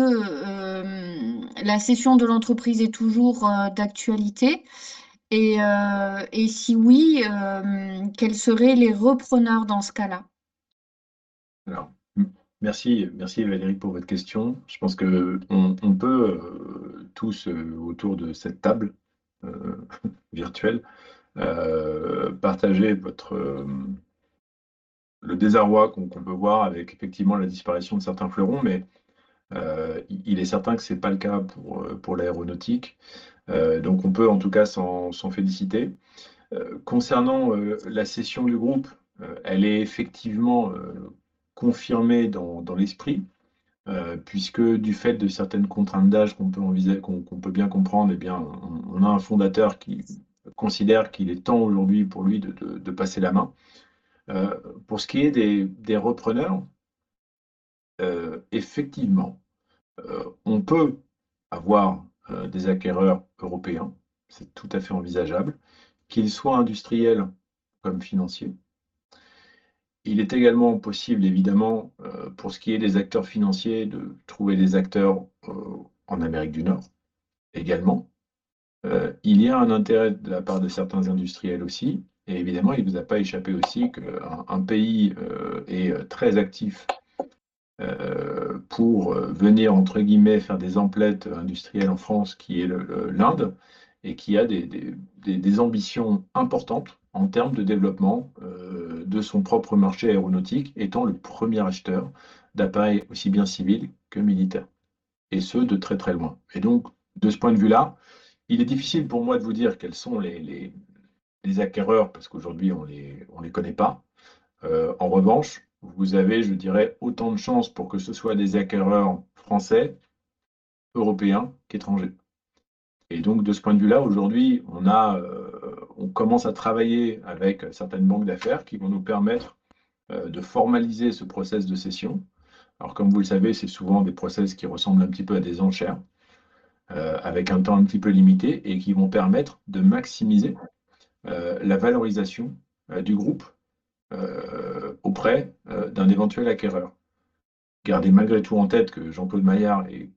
la cession de l'entreprise est toujours d'actualité? Et si oui, quels seraient les repreneurs dans ce cas-là? Alors, merci. Merci Valérie pour votre question. Je pense que on peut tous autour de cette table virtuelle partager le désarroi qu'on peut voir avec effectivement la disparition de certains fleurons, mais il est certain que ce n'est pas le cas pour l'aéronautique. Donc, on peut en tout cas s'en féliciter. Concernant la cession du groupe, elle est effectivement confirmée dans l'esprit, puisque du fait de certaines contraintes d'âge qu'on peut envisager, qu'on peut bien comprendre, eh bien, on a un fondateur qui considère qu'il est temps aujourd'hui pour lui de passer la main. Pour ce qui est des repreneurs, effectivement, on peut avoir des acquéreurs européens. C'est tout à fait envisageable, qu'ils soient industriels comme financiers. Il est également possible, évidemment, pour ce qui est des acteurs financiers, de trouver des acteurs en Amérique du Nord également. Il y a un intérêt de la part de certains industriels aussi. Et évidemment, il ne vous a pas échappé aussi qu'un pays est très actif pour venir, entre guillemets, faire des emplettes industrielles en France, qui est l'Inde, et qui a des ambitions importantes en termes de développement de son propre marché aéronautique, étant le premier acheteur d'appareils aussi bien civils que militaires, et ce, de très très loin. Et donc, de ce point de vue-là, il est difficile pour moi de vous dire quels sont les acquéreurs, parce qu'aujourd'hui, on ne les connaît pas. En revanche, vous avez, je dirais, autant de chances pour que ce soit des acquéreurs français, européens qu'étrangers. Et donc, de ce point de vue-là, aujourd'hui, on a, on commence à travailler avec certaines banques d'affaires qui vont nous permettre de formaliser ce processus de cession. Alors, comme vous le savez, c'est souvent des processus qui ressemblent un petit peu à des enchères, avec un temps un petit peu limité et qui vont permettre de maximiser la valorisation du groupe auprès d'un éventuel acquéreur. Gardez malgré tout en tête que Jean-Claude Maillard est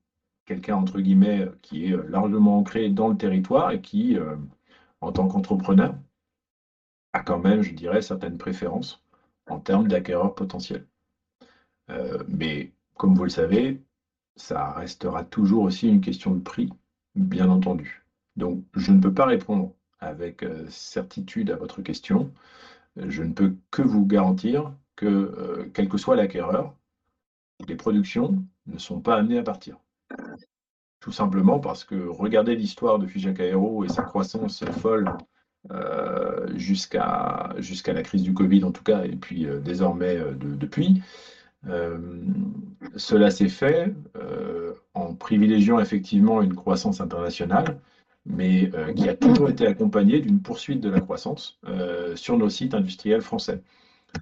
quelqu'un, entre guillemets, qui est largement ancré dans le territoire et qui, en tant qu'entrepreneur, a quand même, je dirais, certaines préférences en termes d'acquéreurs potentiels. Mais comme vous le savez, ça restera toujours aussi une question de prix, bien entendu. Donc, je ne peux pas répondre avec certitude à votre question. Je ne peux que vous garantir que, quel que soit l'acquéreur, les productions ne sont pas amenées à partir. Tout simplement parce que regardez l'histoire de Figeac Aéro et sa croissance folle jusqu'à la crise du Covid, en tout cas, et puis désormais, depuis. Cela s'est fait en privilégiant effectivement une croissance internationale, mais qui a toujours été accompagnée d'une poursuite de la croissance sur nos sites industriels français.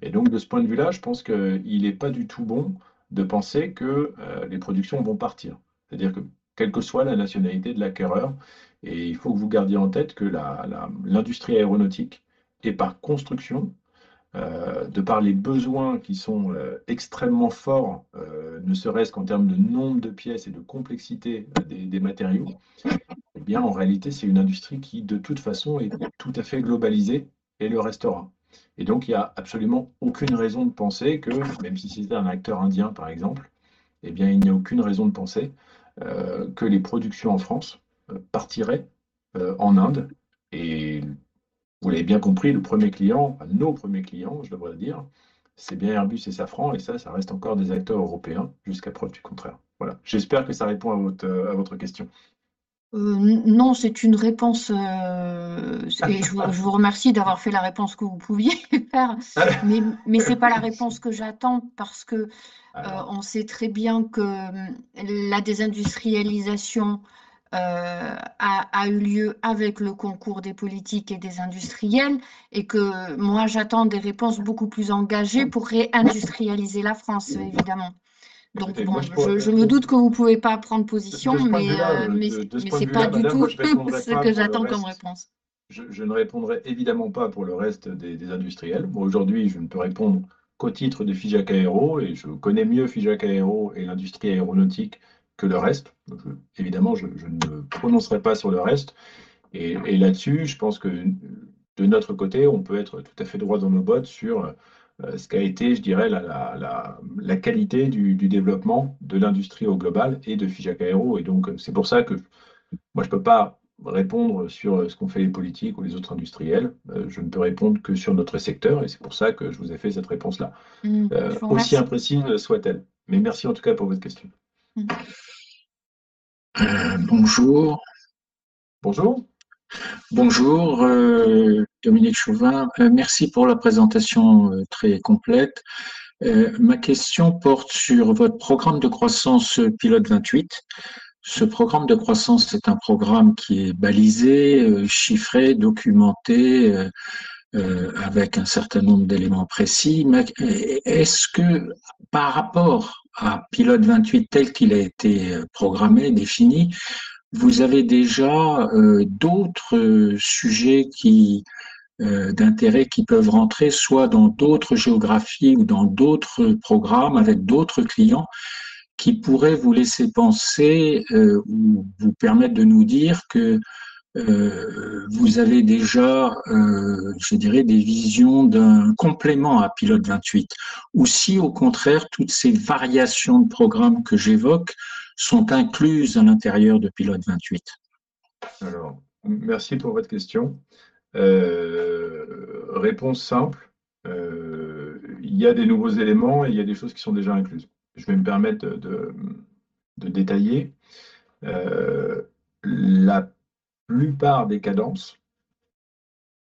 Et donc, de ce point de vue-là, je pense qu'il n'est pas du tout bon de penser que les productions vont partir. C'est-à-dire que quelle que soit la nationalité de l'acquéreur, et il faut que vous gardiez en tête que l'industrie aéronautique est par construction, de par les besoins qui sont extrêmement forts, ne serait-ce qu'en termes de nombre de pièces et de complexité des matériaux, et bien, en réalité, c'est une industrie qui, de toute façon, est tout à fait globalisée et le restera. Et donc, il n'y a absolument aucune raison de penser que, même si c'était un acteur indien, par exemple, il n'y a aucune raison de penser que les productions en France partiraient en Inde. Et vous l'avez bien compris, le premier client, nos premiers clients, je devrais dire, c'est bien Airbus et Safran. Et ça, ça reste encore des acteurs européens jusqu'à preuve du contraire. Voilà, j'espère que ça répond à votre question. Non, c'est une réponse... Et je vous remercie d'avoir fait la réponse que vous pouviez faire. Mais ce n'est pas la réponse que j'attends, parce qu'on sait très bien que la désindustrialisation a eu lieu avec le concours des politiques et des industriels et que moi, j'attends des réponses beaucoup plus engagées pour réindustrialiser la France, évidemment. Donc bon, je me doute que vous ne pouvez pas prendre position- De ce point de vue-là... Mais ce n'est pas du tout ce que j'attends comme réponse. Je ne répondrai évidemment pas pour le reste des industriels. Moi, aujourd'hui, je ne peux répondre qu'au titre de Figeac Aéro et je connais mieux Figeac Aéro et l'industrie aéronautique que le reste. Évidemment, je ne me prononcerai pas sur le reste. Et là-dessus, je pense que de notre côté, on peut être tout à fait droit dans nos bottes sur ce qu'a été, je dirais, la qualité du développement de l'industrie au global et de Figeac Aéro. Et donc, c'est pour ça que moi, je ne peux pas répondre sur ce qu'ont fait les politiques ou les autres industriels. Je ne peux répondre que sur notre secteur et c'est pour ça que je vous ai fait cette réponse-là. Merci. Aussi imprécise soit-elle, mais merci en tout cas pour votre question. Bonjour. Bonjour. Bonjour, Dominique Chauvin. Merci pour la présentation très complète. Ma question porte sur votre programme de croissance Pilote 28. Ce programme de croissance, c'est un programme qui est balisé, chiffré, documenté, avec un certain nombre d'éléments précis. Est-ce que par rapport à Pilot 28 tel qu'il a été programmé, défini, vous avez déjà d'autres sujets d'intérêt qui peuvent rentrer soit dans d'autres géographies ou dans d'autres programmes, avec d'autres clients, qui pourraient vous laisser penser ou vous permettre de nous dire que vous avez déjà, je dirais, des visions d'un complément à Pilot 28? Ou si, au contraire, toutes ces variations de programmes que j'évoque sont incluses à l'intérieur de Pilot 28. Alors, merci pour votre question. Réponse simple, il y a des nouveaux éléments et il y a des choses qui sont déjà incluses. Je vais me permettre de détailler. La plupart des cadences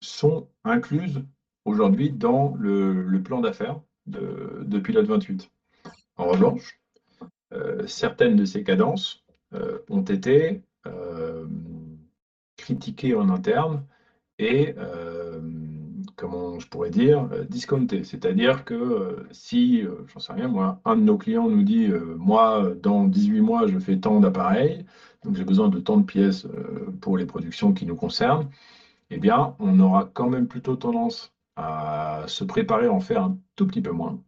sont incluses aujourd'hui dans le plan d'affaires de Pilot 28. En revanche, certaines de ces cadences ont été critiquées en interne et, comment je pourrais dire, discountées. C'est-à-dire que si, j'en sais rien moi, un de nos clients nous dit: moi, dans dix-huit mois, je fais tant d'appareils, donc j'ai besoin de tant de pièces pour les productions qui nous concernent, eh bien, on aura quand même plutôt tendance à se préparer à en faire un tout petit peu moins.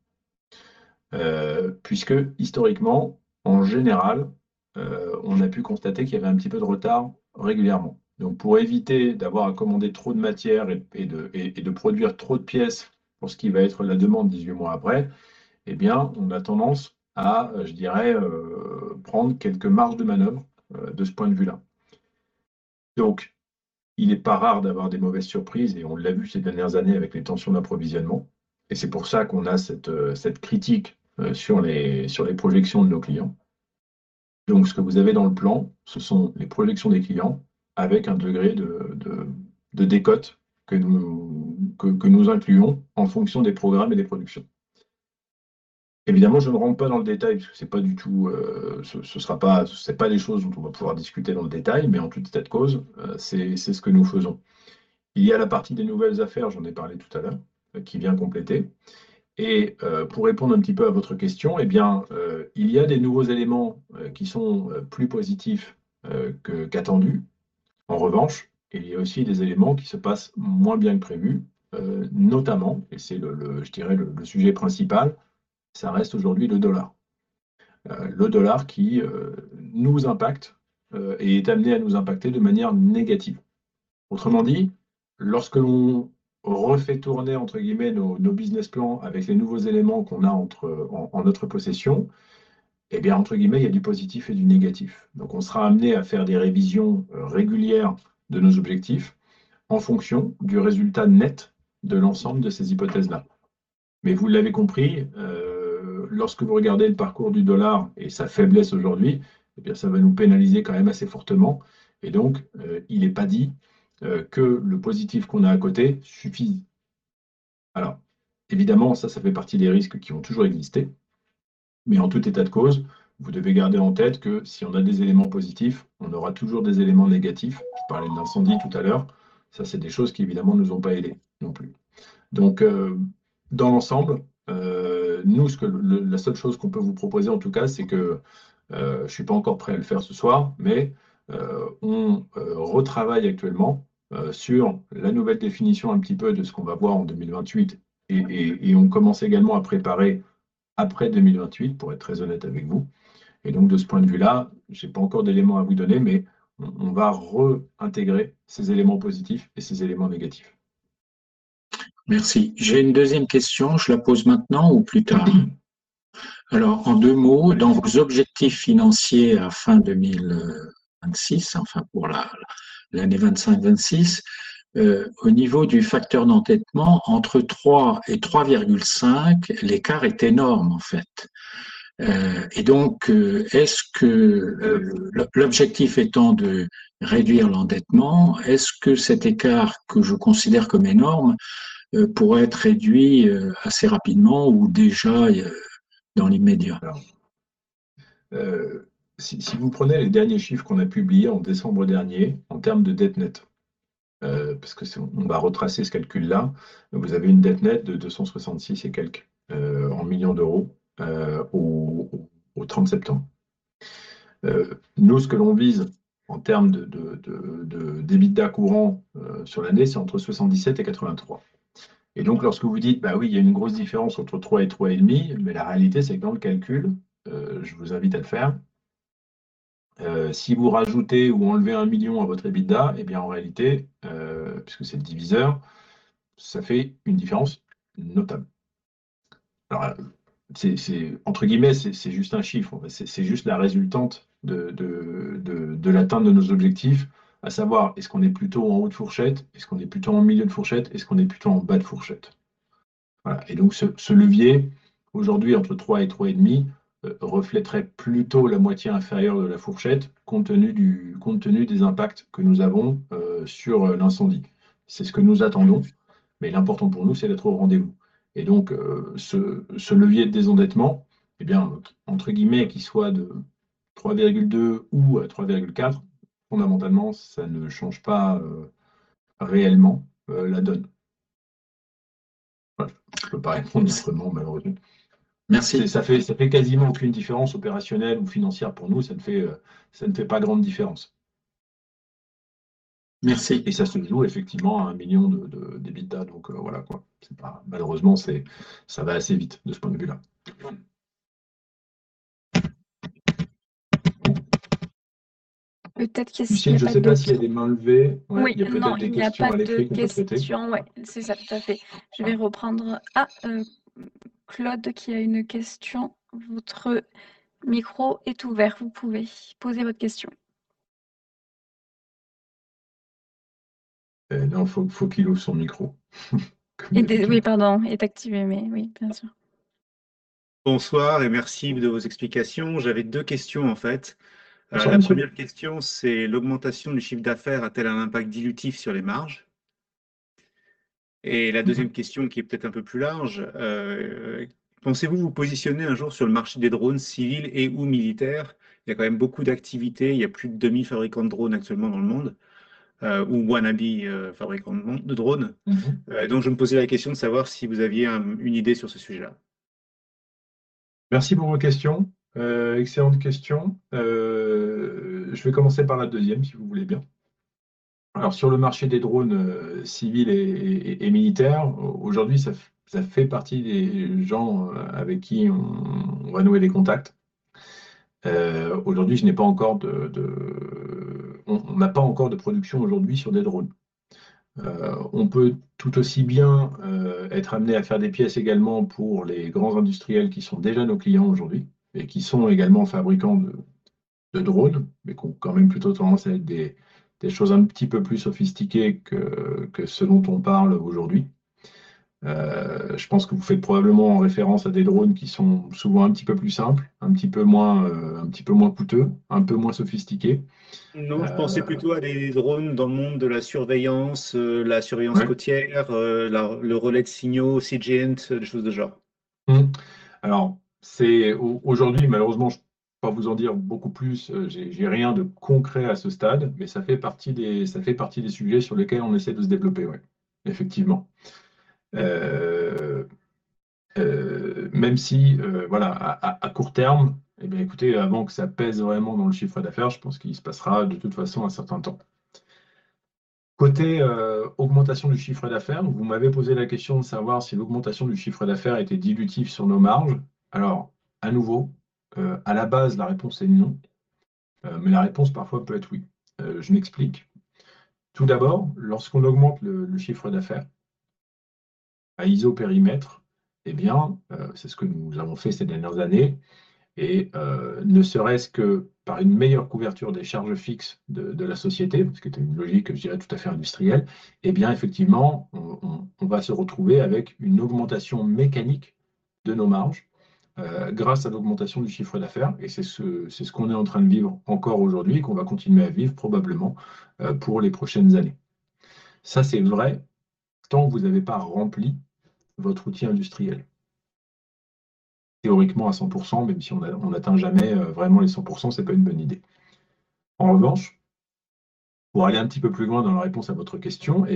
Puisque historiquement, en général, on a pu constater qu'il y avait un petit peu de retard régulièrement. Donc, pour éviter d'avoir à commander trop de matières et de produire trop de pièces pour ce qui va être la demande dix-huit mois après, eh bien, on a tendance à prendre quelques marges de manœuvre de ce point de vue-là. Donc, il n'est pas rare d'avoir des mauvaises surprises et on l'a vu ces dernières années avec les tensions d'approvisionnement. Et c'est pour ça qu'on a cette critique sur les projections de nos clients. Donc, ce que vous avez dans le plan, ce sont les projections des clients avec un degré de décote que nous incluons en fonction des programmes et des productions. Évidemment, je ne rentre pas dans le détail parce que ce n'est pas du tout, ce sera pas, ce n'est pas des choses dont on va pouvoir discuter dans le détail, mais en tout état de cause, c'est ce que nous faisons. Il y a la partie des nouvelles affaires, j'en ai parlé tout à l'heure, qui vient compléter. Et pour répondre un petit peu à votre question, il y a des nouveaux éléments qui sont plus positifs que qu'attendus. En revanche, il y a aussi des éléments qui se passent moins bien que prévu, notamment, et c'est le, je dirais, le sujet principal, ça reste aujourd'hui le dollar. Le dollar qui nous impacte et est amené à nous impacter de manière négative. Autrement dit, lorsque l'on refait tourner, entre guillemets, nos business plans avec les nouveaux éléments qu'on a en notre possession, il y a du positif et du négatif. Donc on sera amené à faire des révisions régulières de nos objectifs en fonction du résultat net de l'ensemble de ces hypothèses-là. Mais vous l'avez compris, lorsque vous regardez le parcours du dollar et sa faiblesse aujourd'hui, ça va nous pénaliser quand même assez fortement. Il n'est pas dit que le positif qu'on a à côté suffit. Alors évidemment, ça fait partie des risques qui ont toujours existé. Mais en tout état de cause, vous devez garder en tête que si on a des éléments positifs, on aura toujours des éléments négatifs. Je parlais de l'incendie tout à l'heure. Ça, c'est des choses qui, évidemment, ne nous ont pas aidés non plus. Donc, dans l'ensemble, nous, ce que la seule chose qu'on peut vous proposer, en tout cas, c'est que je ne suis pas encore prêt à le faire ce soir, mais on retravaille actuellement sur la nouvelle définition, un petit peu de ce qu'on va voir en 2028 et on commence également à préparer après 2028, pour être très honnête avec vous. De ce point de vue-là, je n'ai pas encore d'éléments à vous donner, mais on va réintégrer ces éléments positifs et ces éléments négatifs. Merci. J'ai une deuxième question, je la pose maintenant ou plus tard? Alors, en deux mots, dans vos objectifs financiers à fin 2026, enfin, pour l'année 2025-2026, au niveau du facteur d'endettement, entre 3 et 3,5, l'écart est énorme en fait. Et donc, est-ce que l'objectif étant de réduire l'endettement, est-ce que cet écart, que je considère comme énorme, pourrait être réduit assez rapidement ou déjà dans l'immédiat? Si vous prenez les derniers chiffres qu'on a publiés en décembre dernier, en termes de dette nette, parce qu'on va retracer ce calcul-là, vous avez une dette nette de 266 millions d'euros et quelques au 30 septembre. Nous, ce que l'on vise en termes d'EBITDA courant sur l'année, c'est entre 77 et 83. Donc, lorsque vous dites: bah oui, il y a une grosse différence entre 3 et 3,5, mais la réalité, c'est que dans le calcul, je vous invite à le faire, si vous rajoutez ou enlevez un million à votre EBITDA, en réalité, puisque c'est le diviseur, ça fait une différence notable. Alors, c'est, c'est entre guillemets, c'est juste un chiffre, c'est juste la résultante de l'atteinte de nos objectifs, à savoir est-ce qu'on est plutôt en haut de fourchette? Est-ce qu'on est plutôt en milieu de fourchette? Est-ce qu'on est plutôt en bas de fourchette? Voilà. Et donc ce levier, aujourd'hui, entre trois et trois et demi, refléterait plutôt la moitié inférieure de la fourchette, compte tenu des impacts que nous avons sur l'incendie. C'est ce que nous attendons, mais l'important pour nous, c'est d'être au rendez-vous. Et donc ce levier de désendettement, entre guillemets, qu'il soit de trois virgule deux ou trois virgule quatre, fondamentalement, ça ne change pas réellement la donne. Voilà, je ne peux pas répondre autrement, malheureusement. Merci. Ça fait quasiment aucune différence opérationnelle ou financière pour nous, ça ne fait pas grande différence. Merci. Et ça se joue effectivement à un million d'EBITDA. Donc voilà, c'est pas malheureusement, ça va assez vite de ce point de vue-là. Peut-être qu'il y a- Lucile, je ne sais pas s'il y a des mains levées? Oui, non, il n'y a pas de questions. Ouais, c'est ça, tout à fait. Je vais reprendre. Ah! Claude, qui a une question. Votre micro est ouvert. Vous pouvez poser votre question. Non, il faut qu'il ouvre son micro. Oui, pardon, est activé, mais oui, bien sûr. Bonsoir et merci de vos explications. J'avais deux questions en fait. La première question, c'est: l'augmentation du chiffre d'affaires a-t-elle un impact dilutif sur les marges? Et la deuxième question, qui est peut-être un peu plus large: pensez-vous vous positionner un jour sur le marché des drones civils et ou militaires? Il y a quand même beaucoup d'activités. Il y a plus de demi-fabricants de drones actuellement dans le monde ou wannabe fabricants de drones. Donc, je me posais la question de savoir si vous aviez une idée sur ce sujet-là. Merci pour vos questions. Excellente question. Je vais commencer par la deuxième, si vous voulez bien. Alors, sur le marché des drones civils et militaires, aujourd'hui, ça fait partie des gens avec qui on va nouer des contacts. Aujourd'hui, je n'ai pas encore de... on n'a pas encore de production aujourd'hui sur des drones. On peut tout aussi bien être amené à faire des pièces également pour les grands industriels qui sont déjà nos clients aujourd'hui et qui sont également fabricants de drones, mais qui ont quand même plutôt tendance à être des choses un petit peu plus sophistiquées que ce dont on parle aujourd'hui. Je pense que vous faites probablement référence à des drones qui sont souvent un petit peu plus simples, un petit peu moins... un petit peu moins coûteux, un peu moins sophistiqués. Non, je pensais plutôt à des drones dans le monde de la surveillance, la surveillance côtière, le relais de signaux, CGNT, choses de ce genre. Alors, c'est aujourd'hui, malheureusement, je ne peux pas vous en dire beaucoup plus. Je n'ai rien de concret à ce stade, mais ça fait partie des sujets sur lesquels on essaie de se développer, oui, effectivement. Même si, voilà, à court terme, écoutez, avant que ça pèse vraiment dans le chiffre d'affaires, je pense qu'il se passera de toute façon un certain temps. Côté augmentation du chiffre d'affaires, vous m'avez posé la question de savoir si l'augmentation du chiffre d'affaires était dilutive sur nos marges. Alors, à nouveau, à la base, la réponse est non, mais la réponse, parfois, peut être oui. Je m'explique. Tout d'abord, lorsqu'on augmente le chiffre d'affaires à isopérimètre, c'est ce que nous avons fait ces dernières années et ne serait-ce que par une meilleure couverture des charges fixes de la société, ce qui était une logique, je dirais, tout à fait industrielle. Effectivement, on va se retrouver avec une augmentation mécanique de nos marges grâce à l'augmentation du chiffre d'affaires. C'est ce qu'on est en train de vivre encore aujourd'hui et qu'on va continuer à vivre probablement pour les prochaines années. Ça, c'est vrai, tant que vous n'avez pas rempli votre outil industriel théoriquement à 100%, même si on n'atteint jamais vraiment les 100%, ce n'est pas une bonne idée. En revanche, pour aller un petit peu plus loin dans la réponse à votre question,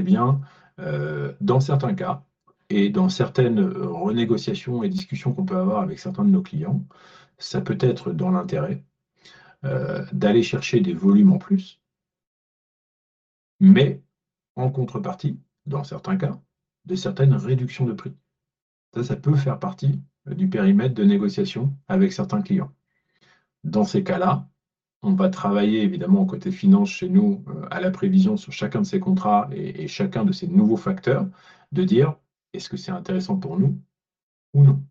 dans certains cas et dans certaines renégociations et discussions qu'on peut avoir avec certains de nos clients, ça peut être dans l'intérêt d'aller chercher des volumes en plus, mais en contrepartie, dans certains cas, de certaines réductions de prix. Ça, ça peut faire partie du périmètre de négociation avec certains clients. Dans ces cas-là, on va travailler évidemment au côté finance, chez nous, à la prévision sur chacun de ces contrats et chacun de ces nouveaux facteurs, de dire : est-ce que c'est intéressant pour nous ou non?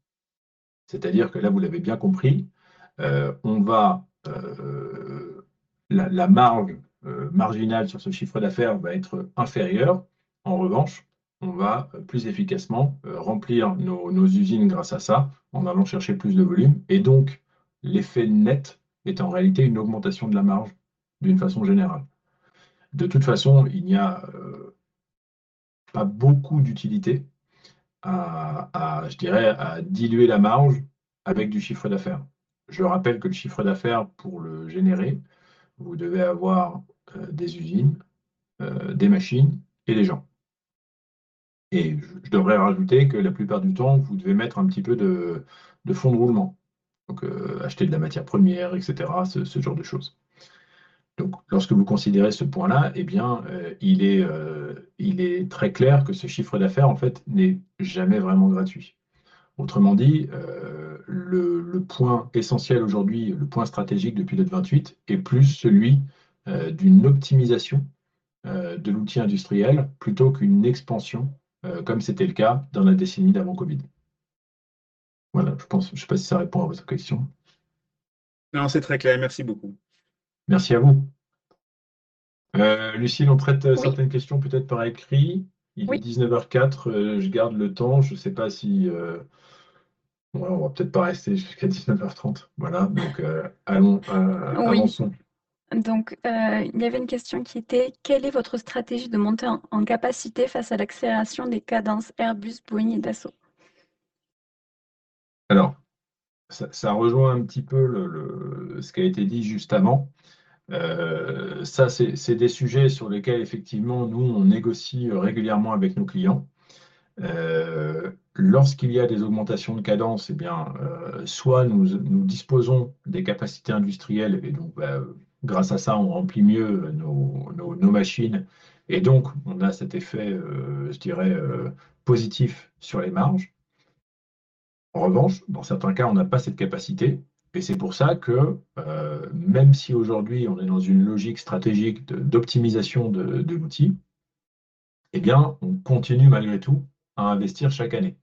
C'est-à-dire que là, vous l'avez bien compris, on va... la marge marginale sur ce chiffre d'affaires va être inférieure. En revanche, on va plus efficacement remplir nos usines grâce à ça, en allant chercher plus de volume. Et donc, l'effet net est en réalité une augmentation de la marge d'une façon générale. De toute façon, il n'y a pas beaucoup d'utilité à diluer la marge avec du chiffre d'affaires. Je rappelle que le chiffre d'affaires, pour le générer, vous devez avoir des usines, des machines et des gens. Et je devrais rajouter que la plupart du temps, vous devez mettre un petit peu de fonds de roulement, donc acheter de la matière première, etc. Ce genre de choses. Donc, lorsque vous considérez ce point-là, eh bien, il est très clair que ce chiffre d'affaires, en fait, n'est jamais vraiment gratuit. Autrement dit, le point essentiel aujourd'hui, le point stratégique de Pilotage vingt-huit, est plus celui d'une optimisation de l'outil industriel plutôt qu'une expansion, comme c'était le cas dans la décennie d'avant Covid. Voilà, je pense. Je ne sais pas si ça répond à votre question. Non, c'est très clair. Merci beaucoup. Merci à vous. Lucile, on traite certaines questions, peut-être par écrit. Il est dix-neuf heures quatre, je garde le temps. Je ne sais pas si... On ne va peut-être pas rester jusqu'à dix-neuf heures trente. Voilà, donc allons, avançons. Donc, il y avait une question qui était: quelle est votre stratégie de monter en capacité face à l'accélération des cadences Airbus, Boeing et Dassault? Alors, ça rejoint un petit peu ce qui a été dit juste avant. Ça, c'est des sujets sur lesquels, effectivement, nous négocions régulièrement avec nos clients. Lorsqu'il y a des augmentations de cadence, eh bien, soit nous disposons des capacités industrielles et donc grâce à ça, on remplit mieux nos machines et donc on a cet effet, je dirais, positif sur les marges. En revanche, dans certains cas, on n'a pas cette capacité. Et c'est pour ça que, même si aujourd'hui, on est dans une logique stratégique d'optimisation de l'outil, eh bien, on continue malgré tout à investir chaque année.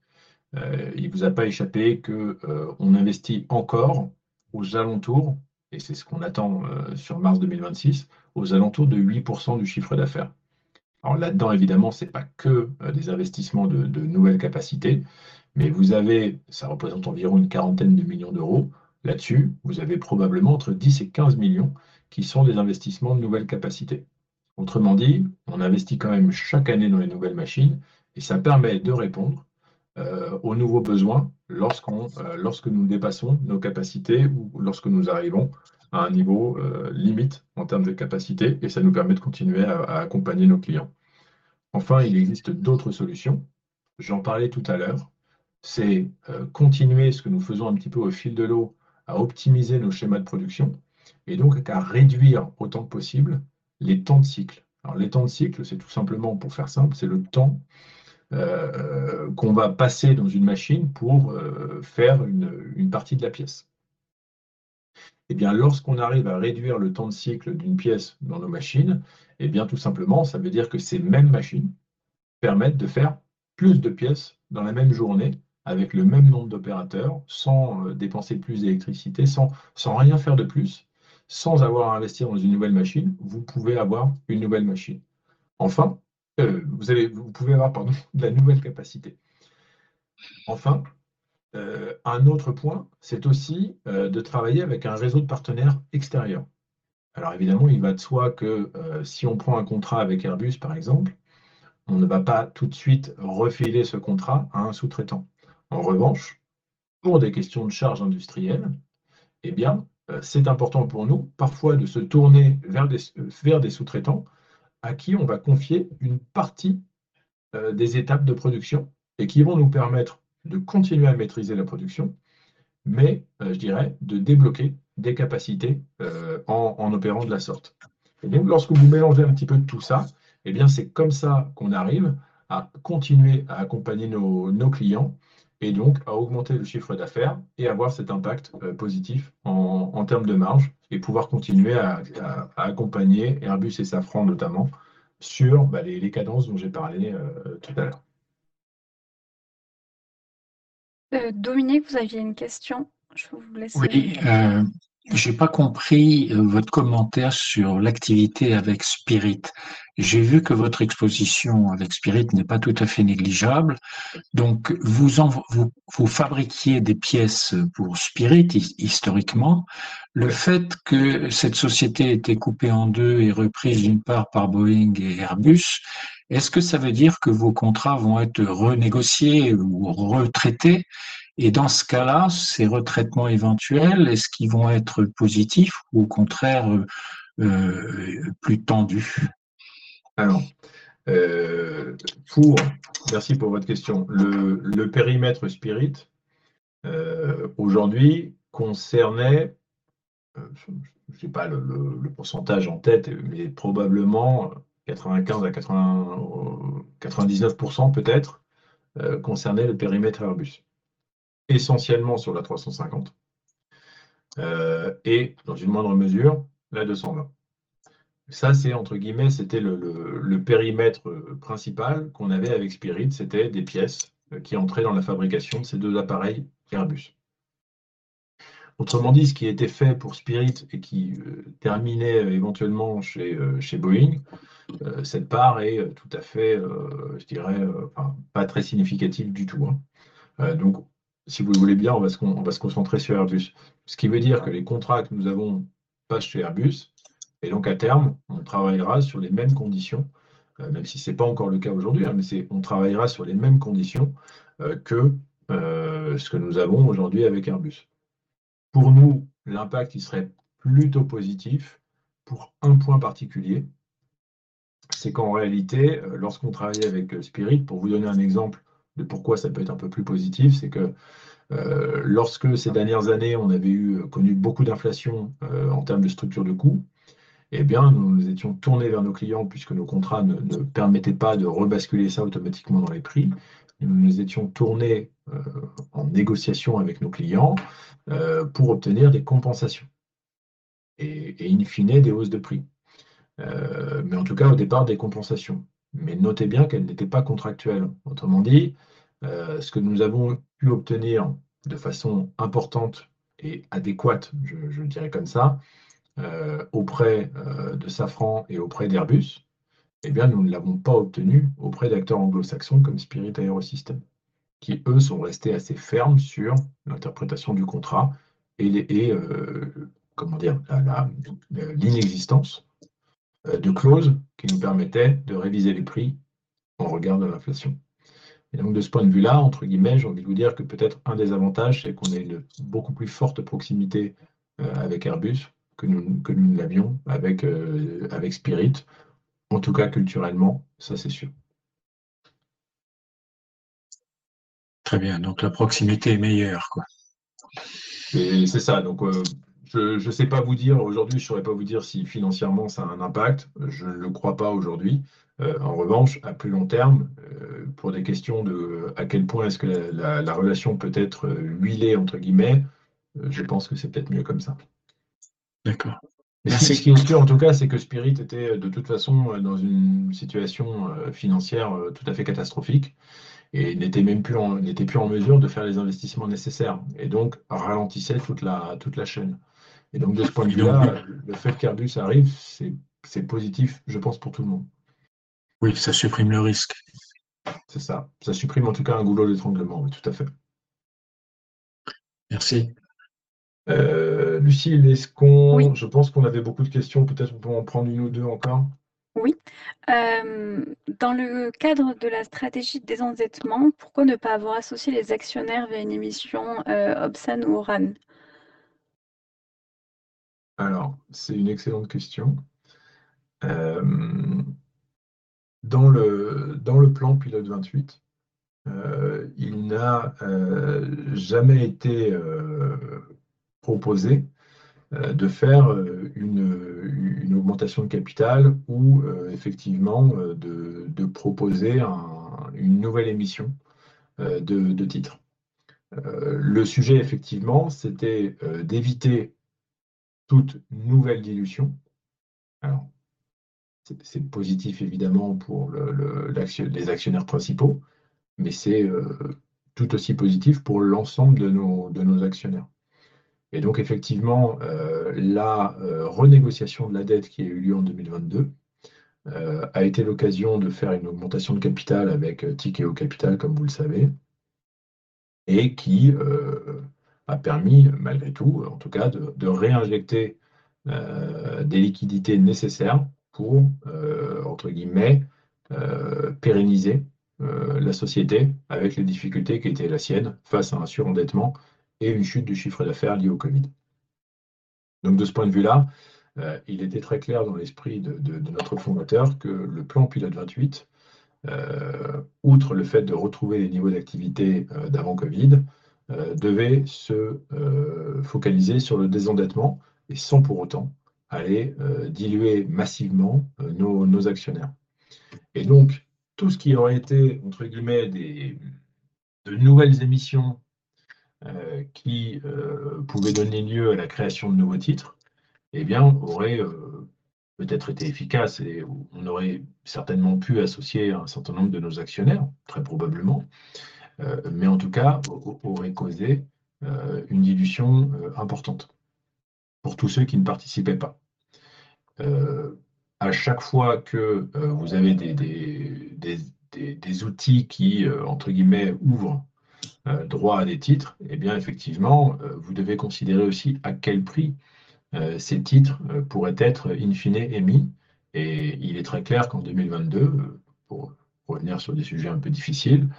Il ne vous a pas échappé qu'on investit encore aux alentours, et c'est ce qu'on attend sur mars 2026, aux alentours de 8% du chiffre d'affaires. Alors là-dedans, évidemment, ce n'est pas que des investissements de nouvelles capacités, mais vous avez, ça représente environ une quarantaine de millions d'euros. Là-dessus, vous avez probablement entre 10 et 15 millions qui sont des investissements de nouvelles capacités. Autrement dit, on investit quand même chaque année dans les nouvelles machines et ça permet de répondre aux nouveaux besoins lorsqu'on, lorsque nous dépassons nos capacités ou lorsque nous arrivons à un niveau limite en termes de capacité et ça nous permet de continuer à accompagner nos clients. Enfin, il existe d'autres solutions. J'en parlais tout à l'heure, c'est continuer ce que nous faisons un petit peu au fil de l'eau, à optimiser nos schémas de production et donc à réduire autant que possible les temps de cycle. Alors, les temps de cycle, c'est tout simplement, pour faire simple, c'est le temps qu'on va passer dans une machine pour faire une partie de la pièce. Eh bien, lorsqu'on arrive à réduire le temps de cycle d'une pièce dans nos machines, eh bien, tout simplement, ça veut dire que ces mêmes machines permettent de faire plus de pièces dans la même journée, avec le même nombre d'opérateurs, sans dépenser plus d'électricité, sans rien faire de plus, sans avoir à investir dans une nouvelle machine, vous pouvez avoir une nouvelle machine. Enfin, vous pouvez avoir de la nouvelle capacité. Un autre point, c'est aussi de travailler avec un réseau de partenaires extérieurs. Alors évidemment, il va de soi que si on prend un contrat avec Airbus, par exemple, on ne va pas tout de suite refiler ce contrat à un sous-traitant. En revanche, pour des questions de charges industrielles, c'est important pour nous parfois de se tourner vers des sous-traitants à qui on va confier une partie des étapes de production et qui vont nous permettre de continuer à maîtriser la production, mais je dirais, de débloquer des capacités en opérant de la sorte. Et donc, lorsque vous mélangez un petit peu tout ça, c'est comme ça qu'on arrive à continuer à accompagner nos clients et donc à augmenter le chiffre d'affaires et avoir cet impact positif en termes de marge et pouvoir continuer à accompagner Airbus et Safran, notamment, sur les cadences dont j'ai parlé tout à l'heure. Dominique, vous aviez une question? Je vous laisse. Oui, j'ai pas compris votre commentaire sur l'activité avec Spirit. J'ai vu que votre exposition avec Spirit n'est pas tout à fait négligeable. Donc, vous fabriquiez des pièces pour Spirit, historiquement. Le fait que cette société ait été coupée en deux et reprise d'une part par Boeing et Airbus, est-ce que ça veut dire que vos contrats vont être renégociés ou retraités? Et dans ce cas-là, ces retraitements éventuels, est-ce qu'ils vont être positifs ou au contraire plus tendus? Alors, pour merci pour votre question. Le périmètre Spirit aujourd'hui concernait, je n'ai pas le pourcentage en tête, mais probablement 95% à 90% peut-être, concernait le périmètre Airbus, essentiellement sur l'A350, et dans une moindre mesure, l'A220. Ça, c'est entre guillemets, c'était le périmètre principal qu'on avait avec Spirit. C'était des pièces qui entraient dans la fabrication de ces deux appareils d'Airbus. Autrement dit, ce qui était fait pour Spirit et qui terminait éventuellement chez Boeing, cette part est tout à fait, je dirais, pas très significative du tout. Donc, si vous le voulez bien, on va se concentrer sur Airbus. Ce qui veut dire que les contrats que nous avons passent chez Airbus et donc, à terme, on travaillera sur les mêmes conditions, même si ce n'est pas encore le cas aujourd'hui, mais on travaillera sur les mêmes conditions que ce que nous avons aujourd'hui avec Airbus. Pour nous, l'impact, il serait plutôt positif pour un point particulier. C'est qu'en réalité, lorsqu'on travaillait avec Spirit, pour vous donner un exemple de pourquoi ça peut être un peu plus positif, c'est que lorsque ces dernières années, on avait connu beaucoup d'inflation en termes de structure de coûts, nous nous étions tournés vers nos clients, puisque nos contrats ne permettaient pas de rebasculer ça automatiquement dans les prix. Nous nous étions tournés en négociation avec nos clients pour obtenir des compensations et in fine, des hausses de prix. Mais en tout cas, au départ, des compensations. Mais notez bien qu'elles n'étaient pas contractuelles. Autrement dit, ce que nous avons pu obtenir de façon importante et adéquate, je le dirais comme ça, auprès de Safran et auprès d'Airbus, nous ne l'avons pas obtenu auprès d'acteurs anglo-saxons comme Spirit Aerosystems, qui, eux, sont restés assez fermes sur l'interprétation du contrat et l'inexistence de clauses qui nous permettaient de réviser les prix en regard de l'inflation. Donc de ce point de vue-là, entre guillemets, j'ai envie de vous dire que peut-être un des avantages, c'est qu'on ait une beaucoup plus forte proximité avec Airbus que nous l'avions avec Spirit. En tout cas, culturellement, c'est sûr. Très bien. Donc la proximité est meilleure quoi. C'est ça. Donc, je ne sais pas vous dire aujourd'hui, je ne saurais pas vous dire si financièrement, ça a un impact. Je ne le crois pas aujourd'hui. En revanche, à plus long terme, pour des questions de à quel point est-ce que la relation peut être huilée, entre guillemets, je pense que c'est peut-être mieux comme ça. D'accord. Ce qui est sûr, en tout cas, c'est que Spirit était de toute façon dans une situation financière tout à fait catastrophique et n'était même plus en mesure de faire les investissements nécessaires et donc ralentissait toute la chaîne. De ce point de vue-là, le fait qu'Airbus arrive, c'est positif, je pense, pour tout le monde. Oui, ça supprime le risque. C'est ça. Ça supprime en tout cas un goulot d'étranglement. Oui, tout à fait. Merci. Euh, Lucile, est-ce qu'on... Je pense qu'on avait beaucoup de questions. Peut-être on peut en prendre une ou deux encore. Oui. Dans le cadre de la stratégie de désendettement, pourquoi ne pas avoir associé les actionnaires via une émission OBSAN ou ORAN? Alors, c'est une excellente question. Dans le plan Pilot 28, il n'a jamais été proposé de faire une augmentation de capital ou effectivement de proposer une nouvelle émission de titres. Le sujet, effectivement, c'était d'éviter toute nouvelle dilution. Alors, c'est positif évidemment pour les actionnaires principaux, mais c'est tout aussi positif pour l'ensemble de nos actionnaires. Et donc, effectivement, la renégociation de la dette qui a eu lieu en 2022 a été l'occasion de faire une augmentation de capital avec ticket au capital, comme vous le savez, et qui a permis, malgré tout, en tout cas, de réinjecter des liquidités nécessaires pour, entre guillemets, pérenniser la société avec les difficultés qui étaient la sienne face à un surendettement et une chute du chiffre d'affaires liée au COVID. Donc, de ce point de vue-là, il était très clair dans l'esprit de notre fondateur que le plan Pilot 28, outre le fait de retrouver les niveaux d'activité d'avant COVID, devait se focaliser sur le désendettement et sans pour autant aller diluer massivement nos actionnaires. Et donc, tout ce qui aurait été, entre guillemets, des nouvelles émissions qui pouvaient donner lieu à la création de nouveaux titres, eh bien, aurait peut-être été efficace et on aurait certainement pu associer un certain nombre de nos actionnaires, très probablement, mais en tout cas, aurait causé une dilution importante pour tous ceux qui ne participaient pas. À chaque fois que vous avez des outils qui, entre guillemets, ouvrent droit à des titres, eh bien, effectivement, vous devez considérer aussi à quel prix ces titres pourraient être in fine émis. Et il est très clair qu'en 2022, pour revenir sur des sujets un peu difficiles,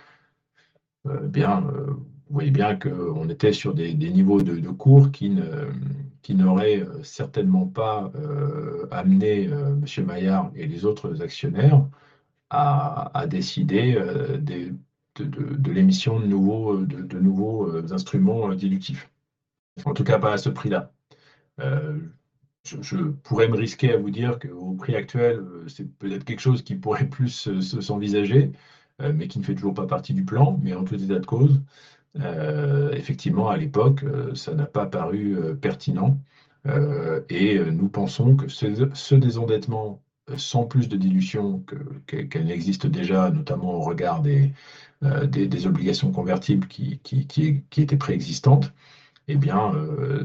bien, vous voyez bien qu'on était sur des niveaux de cours qui n'auraient certainement pas amené monsieur Maillard et les autres actionnaires à décider de l'émission de nouveaux instruments dilutifs. En tout cas, pas à ce prix-là. Je pourrais me risquer à vous dire qu'au prix actuel, c'est peut-être quelque chose qui pourrait plus s'envisager, mais qui ne fait toujours pas partie du plan. Mais en tout état de cause, effectivement, à l'époque, ça n'a pas paru pertinent. Et nous pensons que ce désendettement, sans plus de dilution qu'elle n'existe déjà, notamment au regard des obligations convertibles qui étaient préexistantes, eh bien,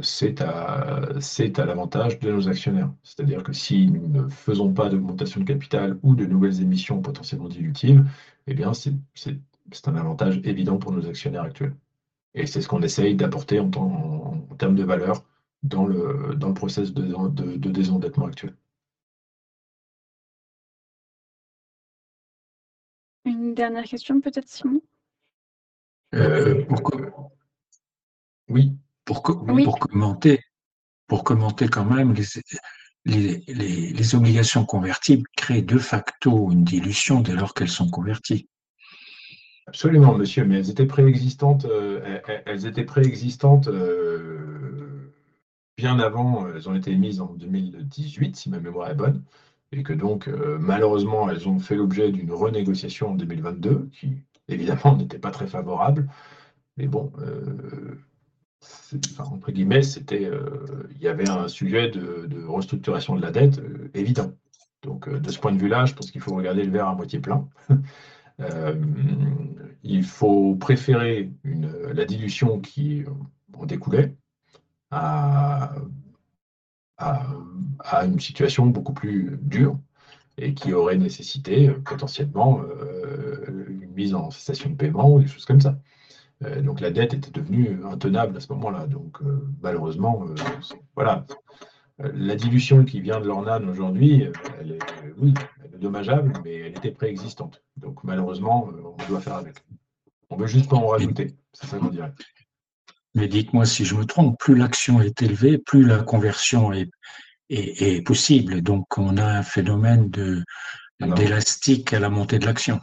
c'est à l'avantage de nos actionnaires. C'est-à-dire que si nous ne faisons pas d'augmentation de capital ou de nouvelles émissions potentiellement dilutives, eh bien, c'est un avantage évident pour nos actionnaires actuels. Et c'est ce qu'on essaie d'apporter en terme de valeur dans le processus de désendettement actuel. Une dernière question, peut-être, Simon? Pourquoi oui, pour commenter quand même les obligations convertibles créent de facto une dilution dès lors qu'elles sont converties. Absolument, monsieur, mais elles étaient préexistantes. Elles étaient préexistantes bien avant. Elles ont été émises en 2018, si ma mémoire est bonne, et donc, malheureusement, elles ont fait l'objet d'une renégociation en 2022, qui, évidemment, n'était pas très favorable. Mais bon, entre guillemets, c'était, il y avait un sujet de restructuration de la dette évident. Donc, de ce point de vue-là, je pense qu'il faut regarder le verre à moitié plein. Il faut préférer la dilution qui en découlait à une situation beaucoup plus dure et qui aurait nécessité potentiellement une mise en cessation de paiement ou des choses comme ça. Donc la dette était devenue intenable à ce moment-là. Donc malheureusement, voilà. La dilution qui vient de l'ORNANE aujourd'hui, elle est oui, dommageable, mais elle était préexistante. Donc malheureusement, on doit faire avec. On veut juste pas en rajouter, c'est ça qu'on dirait. Mais dites-moi si je me trompe, plus l'action est élevée, plus la conversion est possible. Donc on a un phénomène d'élastique à la montée de l'action.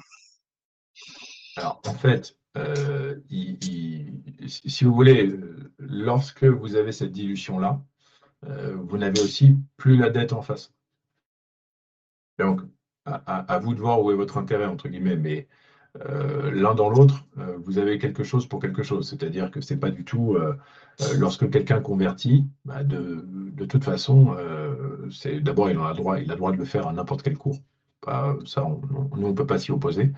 Alors en fait, il, si vous voulez, lorsque vous avez cette dilution-là, vous n'avez aussi plus la dette en face. Donc, à vous de voir où est votre intérêt, entre guillemets, mais l'un dans l'autre, vous avez quelque chose pour quelque chose. C'est-à-dire que ce n'est pas du tout, lorsque quelqu'un convertit, ben de toute façon, c'est d'abord, il a le droit, il a le droit de le faire à n'importe quel cours. Ça, nous, on ne peut pas s'y opposer.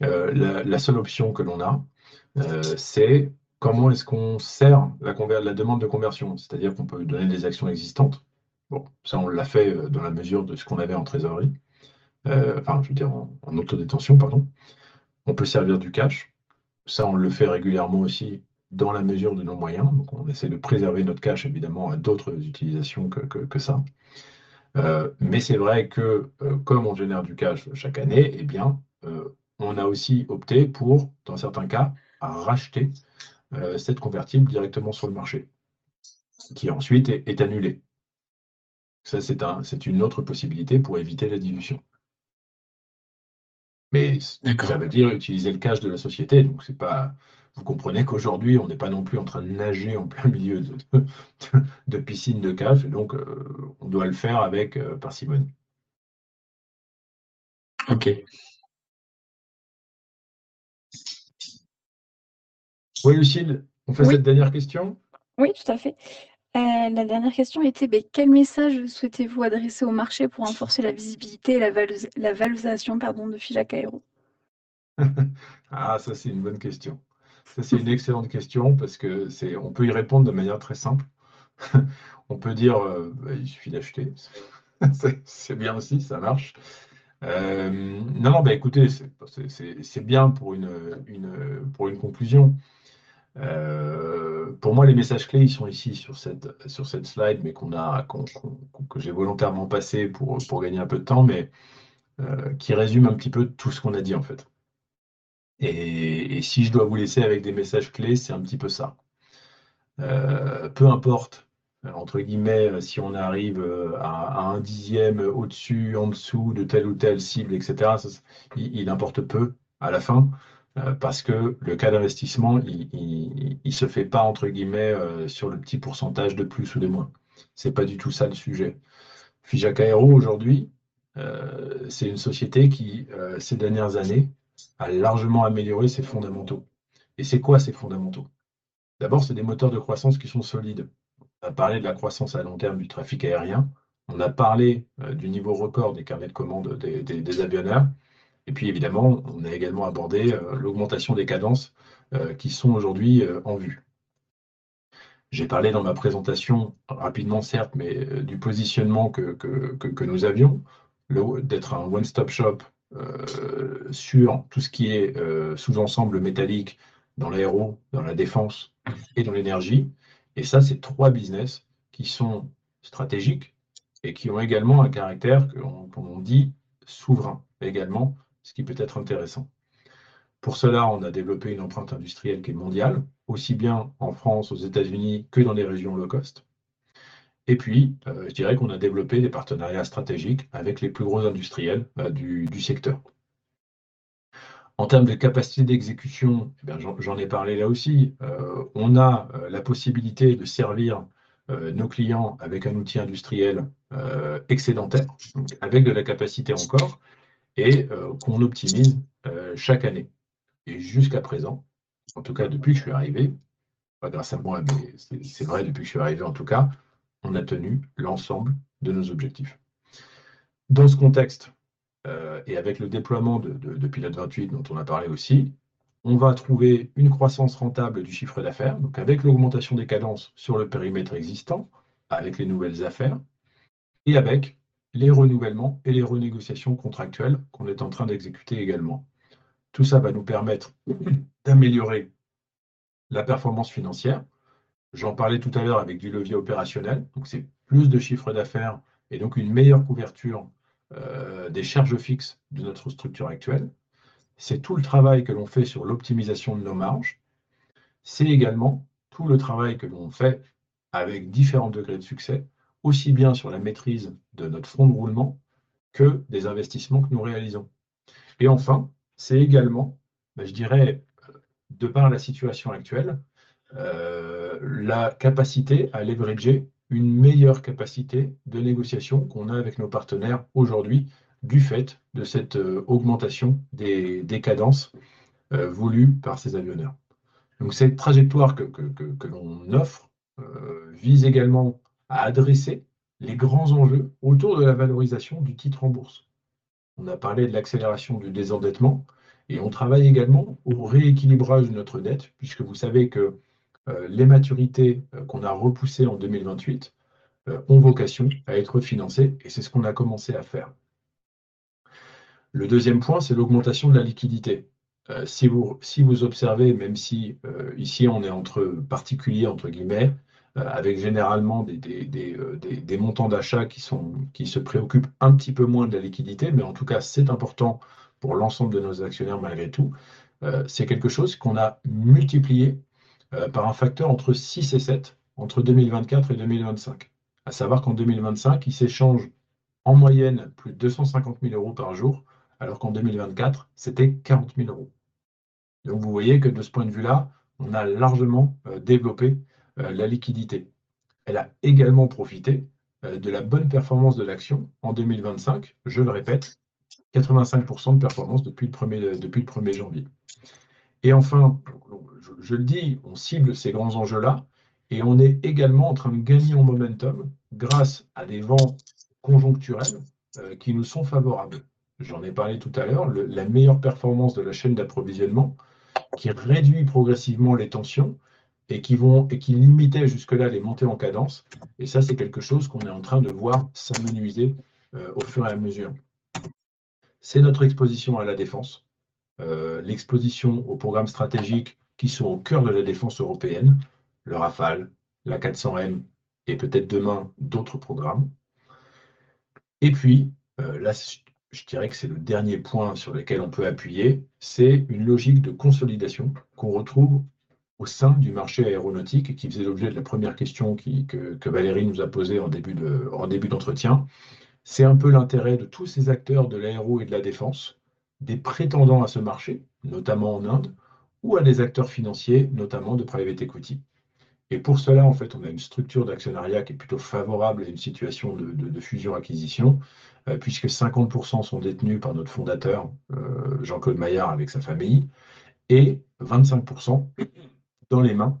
La seule option que l'on a, c'est comment est-ce qu'on sert la demande de conversion? C'est-à-dire qu'on peut donner des actions existantes. Bon, ça, on l'a fait dans la mesure de ce qu'on avait en trésorerie, enfin, je veux dire en autodétention, pardon. On peut servir du cash. Ça, on le fait régulièrement aussi, dans la mesure de nos moyens. Donc, on essaie de préserver notre cash, évidemment, à d'autres utilisations que ça. Mais c'est vrai que comme on génère du cash chaque année, eh bien, on a aussi opté pour, dans certains cas, racheter cette convertible directement sur le marché, qui ensuite est annulée. Ça, c'est une autre possibilité pour éviter la dilution. Mais ça veut dire utiliser le cash de la société. Donc, ce n'est pas... Vous comprenez qu'aujourd'hui, on n'est pas non plus en train de nager en plein milieu de piscine de cash, donc on doit le faire avec parcimonie. OK. Oui, Lucile, on fait cette dernière question? Oui, tout à fait. La dernière question était bien: quel message souhaitez-vous adresser au marché pour renforcer la visibilité et la valorisation, pardon, de Fija Aero? Ah, ça, c'est une bonne question. Ça, c'est une excellente question parce que c'est, on peut y répondre de manière très simple. On peut dire: il suffit d'acheter. C'est bien aussi, ça marche. Non, non, écoutez, c'est bien pour une conclusion. Pour moi, les messages clés, ils sont ici, sur cette slide, mais qu'on a, que j'ai volontairement passée pour gagner un peu de temps, mais qui résume un petit peu tout ce qu'on a dit en fait. Et si je dois vous laisser avec des messages clés, c'est un petit peu ça. Peu importe, entre guillemets, si on arrive à un dixième au-dessus, en dessous de telle ou telle cible, etc. Il importe peu à la fin, parce que le cas d'investissement, il ne se fait pas, entre guillemets, sur le petit pourcentage de plus ou de moins. Ce n'est pas du tout ça le sujet. Fija Aero, aujourd'hui, c'est une société qui, ces dernières années, a largement amélioré ses fondamentaux. Et c'est quoi ces fondamentaux? D'abord, c'est des moteurs de croissance qui sont solides. On a parlé de la croissance à long terme du trafic aérien. On a parlé du niveau record des carnets de commandes des avionneurs. Et puis évidemment, on a également abordé l'augmentation des cadences qui sont aujourd'hui en vue. J'ai parlé dans ma présentation, rapidement certes, mais du positionnement que nous avions, d'être un one-stop shop sur tout ce qui est sous-ensemble métallique, dans l'aéro, dans la défense et dans l'énergie. Et ça, c'est trois business qui sont stratégiques et qui ont également un caractère, comme on dit, souverain également, ce qui peut être intéressant. Pour cela, on a développé une empreinte industrielle qui est mondiale, aussi bien en France, aux États-Unis, que dans les régions low cost. Et puis, je dirais qu'on a développé des partenariats stratégiques avec les plus gros industriels du secteur. En termes de capacité d'exécution, j'en ai parlé là aussi, on a la possibilité de servir nos clients avec un outil industriel excédentaire, avec de la capacité encore et qu'on optimise chaque année. Et jusqu'à présent, en tout cas depuis que je suis arrivé, pas grâce à moi, mais c'est vrai, depuis que je suis arrivé en tout cas, on a tenu l'ensemble de nos objectifs. Dans ce contexte, et avec le déploiement de Pilot 28, dont on a parlé aussi, on va trouver une croissance rentable du chiffre d'affaires, donc avec l'augmentation des cadences sur le périmètre existant, avec les nouvelles affaires et avec les renouvellements et les renégociations contractuelles qu'on est en train d'exécuter également. Tout ça va nous permettre d'améliorer la performance financière. J'en parlais tout à l'heure avec du levier opérationnel, donc c'est plus de chiffre d'affaires et donc une meilleure couverture des charges fixes de notre structure actuelle. C'est tout le travail que l'on fait sur l'optimisation de nos marges. C'est également tout le travail que l'on fait avec différents degrés de succès, aussi bien sur la maîtrise de notre fonds de roulement que des investissements que nous réalisons. Et enfin, c'est également, je dirais, de par la situation actuelle, la capacité à leverager une meilleure capacité de négociation qu'on a avec nos partenaires aujourd'hui, du fait de cette augmentation des cadences voulues par ces avionneurs. Donc, cette trajectoire que l'on offre vise également à adresser les grands enjeux autour de la valorisation du titre en bourse. On a parlé de l'accélération du désendettement et on travaille également au rééquilibrage de notre dette, puisque vous savez que les maturités qu'on a repoussées en 2028 ont vocation à être refinancées et c'est ce qu'on a commencé à faire. Le deuxième point, c'est l'augmentation de la liquidité. Si vous observez, même si ici, on est entre particuliers, entre guillemets, avec généralement des montants d'achat qui se préoccupent un petit peu moins de la liquidité, mais en tout cas, c'est important pour l'ensemble de nos actionnaires malgré tout, c'est quelque chose qu'on a multiplié par un facteur entre six et sept entre 2024 et 2025. À savoir qu'en 2025, il s'échange en moyenne plus de €150 000 par jour, alors qu'en 2024, c'était €40 000. Donc, vous voyez que de ce point de vue-là, on a largement développé la liquidité. Elle a également profité de la bonne performance de l'action en 2025. Je le répète, 85% de performance depuis le premier janvier. Et enfin, je le dis, on cible ces grands enjeux-là et on est également en train de gagner en momentum grâce à des vents conjoncturels qui nous sont favorables. J'en ai parlé tout à l'heure, la meilleure performance de la chaîne d'approvisionnement, qui réduit progressivement les tensions et qui limitaient jusque-là les montées en cadence. Et ça, c'est quelque chose qu'on est en train de voir s'amenuiser au fur et à mesure. C'est notre exposition à la défense, l'exposition aux programmes stratégiques qui sont au cœur de la défense européenne, le Rafale, l'A400M et peut-être demain, d'autres programmes. Et puis, là, je dirais que c'est le dernier point sur lequel on peut appuyer, c'est une logique de consolidation qu'on retrouve au sein du marché aéronautique et qui faisait l'objet de la première question que Valérie nous a posée en début d'entretien. C'est un peu l'intérêt de tous ces acteurs de l'aéro et de la défense, des prétendants à ce marché, notamment en Inde ou à des acteurs financiers, notamment de private equity. Et pour cela, en fait, on a une structure d'actionnariat qui est plutôt favorable à une situation de fusion-acquisition, puisque 50% sont détenus par notre fondateur, Jean-Claude Maillard, avec sa famille, et 25% dans les mains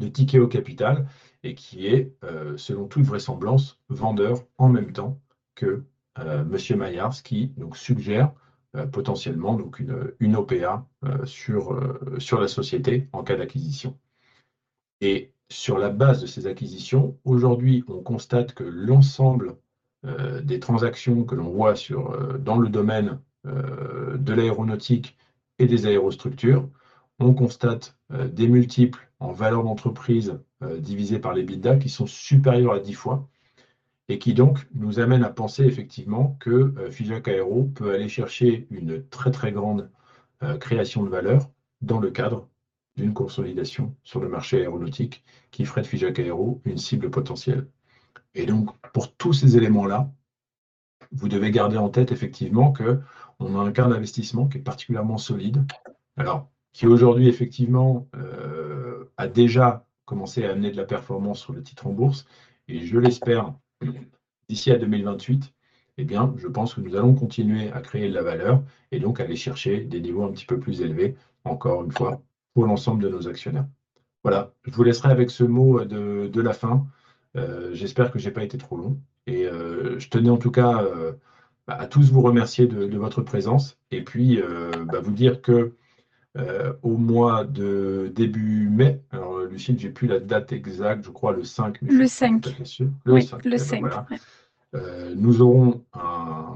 de Tikehau Capital, et qui est, selon toute vraisemblance, vendeur en même temps que monsieur Maillard, ce qui donc suggère potentiellement une OPA sur la société en cas d'acquisition. Et sur la base de ces acquisitions, aujourd'hui, on constate que l'ensemble des transactions que l'on voit dans le domaine de l'aéronautique et des aérostructures, on constate des multiples en valeur d'entreprise divisés par l'EBITDA, qui sont supérieurs à dix fois et qui donc nous amènent à penser effectivement que Fija Aero peut aller chercher une très très grande création de valeur dans le cadre d'une consolidation sur le marché aéronautique, qui ferait de Fija Aero une cible potentielle. Et donc, pour tous ces éléments-là, vous devez garder en tête effectivement que on a un cas d'investissement qui est particulièrement solide, alors, qui aujourd'hui, effectivement, a déjà commencé à amener de la performance sur le titre en bourse et je l'espère, d'ici à 2028, eh bien, je pense que nous allons continuer à créer de la valeur et donc aller chercher des niveaux un petit peu plus élevés, encore une fois, pour l'ensemble de nos actionnaires. Voilà, je vous laisserai avec ce mot de la fin. J'espère que je n'ai pas été trop long et je tenais en tout cas à tous vous remercier de votre présence. Et puis, vous dire qu'au mois de début mai, alors Lucile, j'ai plus la date exacte, je crois, le cinq. Le cinq. Le cinq, voilà. Nous aurons un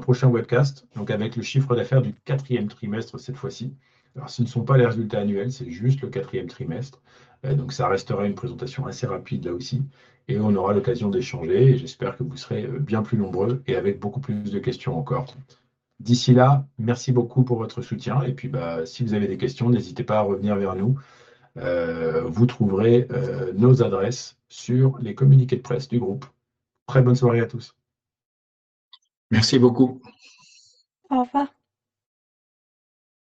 prochain webcast, donc avec le chiffre d'affaires du quatrième trimestre, cette fois-ci. Alors, ce ne sont pas les résultats annuels, c'est juste le quatrième trimestre. Donc ça restera une présentation assez rapide, là aussi, et on aura l'occasion d'échanger et j'espère que vous serez bien plus nombreux et avec beaucoup plus de questions encore. D'ici là, merci beaucoup pour votre soutien et puis, si vous avez des questions, n'hésitez pas à revenir vers nous. Vous trouverez nos adresses sur les communiqués de presse du groupe. Très bonne soirée à tous. Merci beaucoup. Au revoir.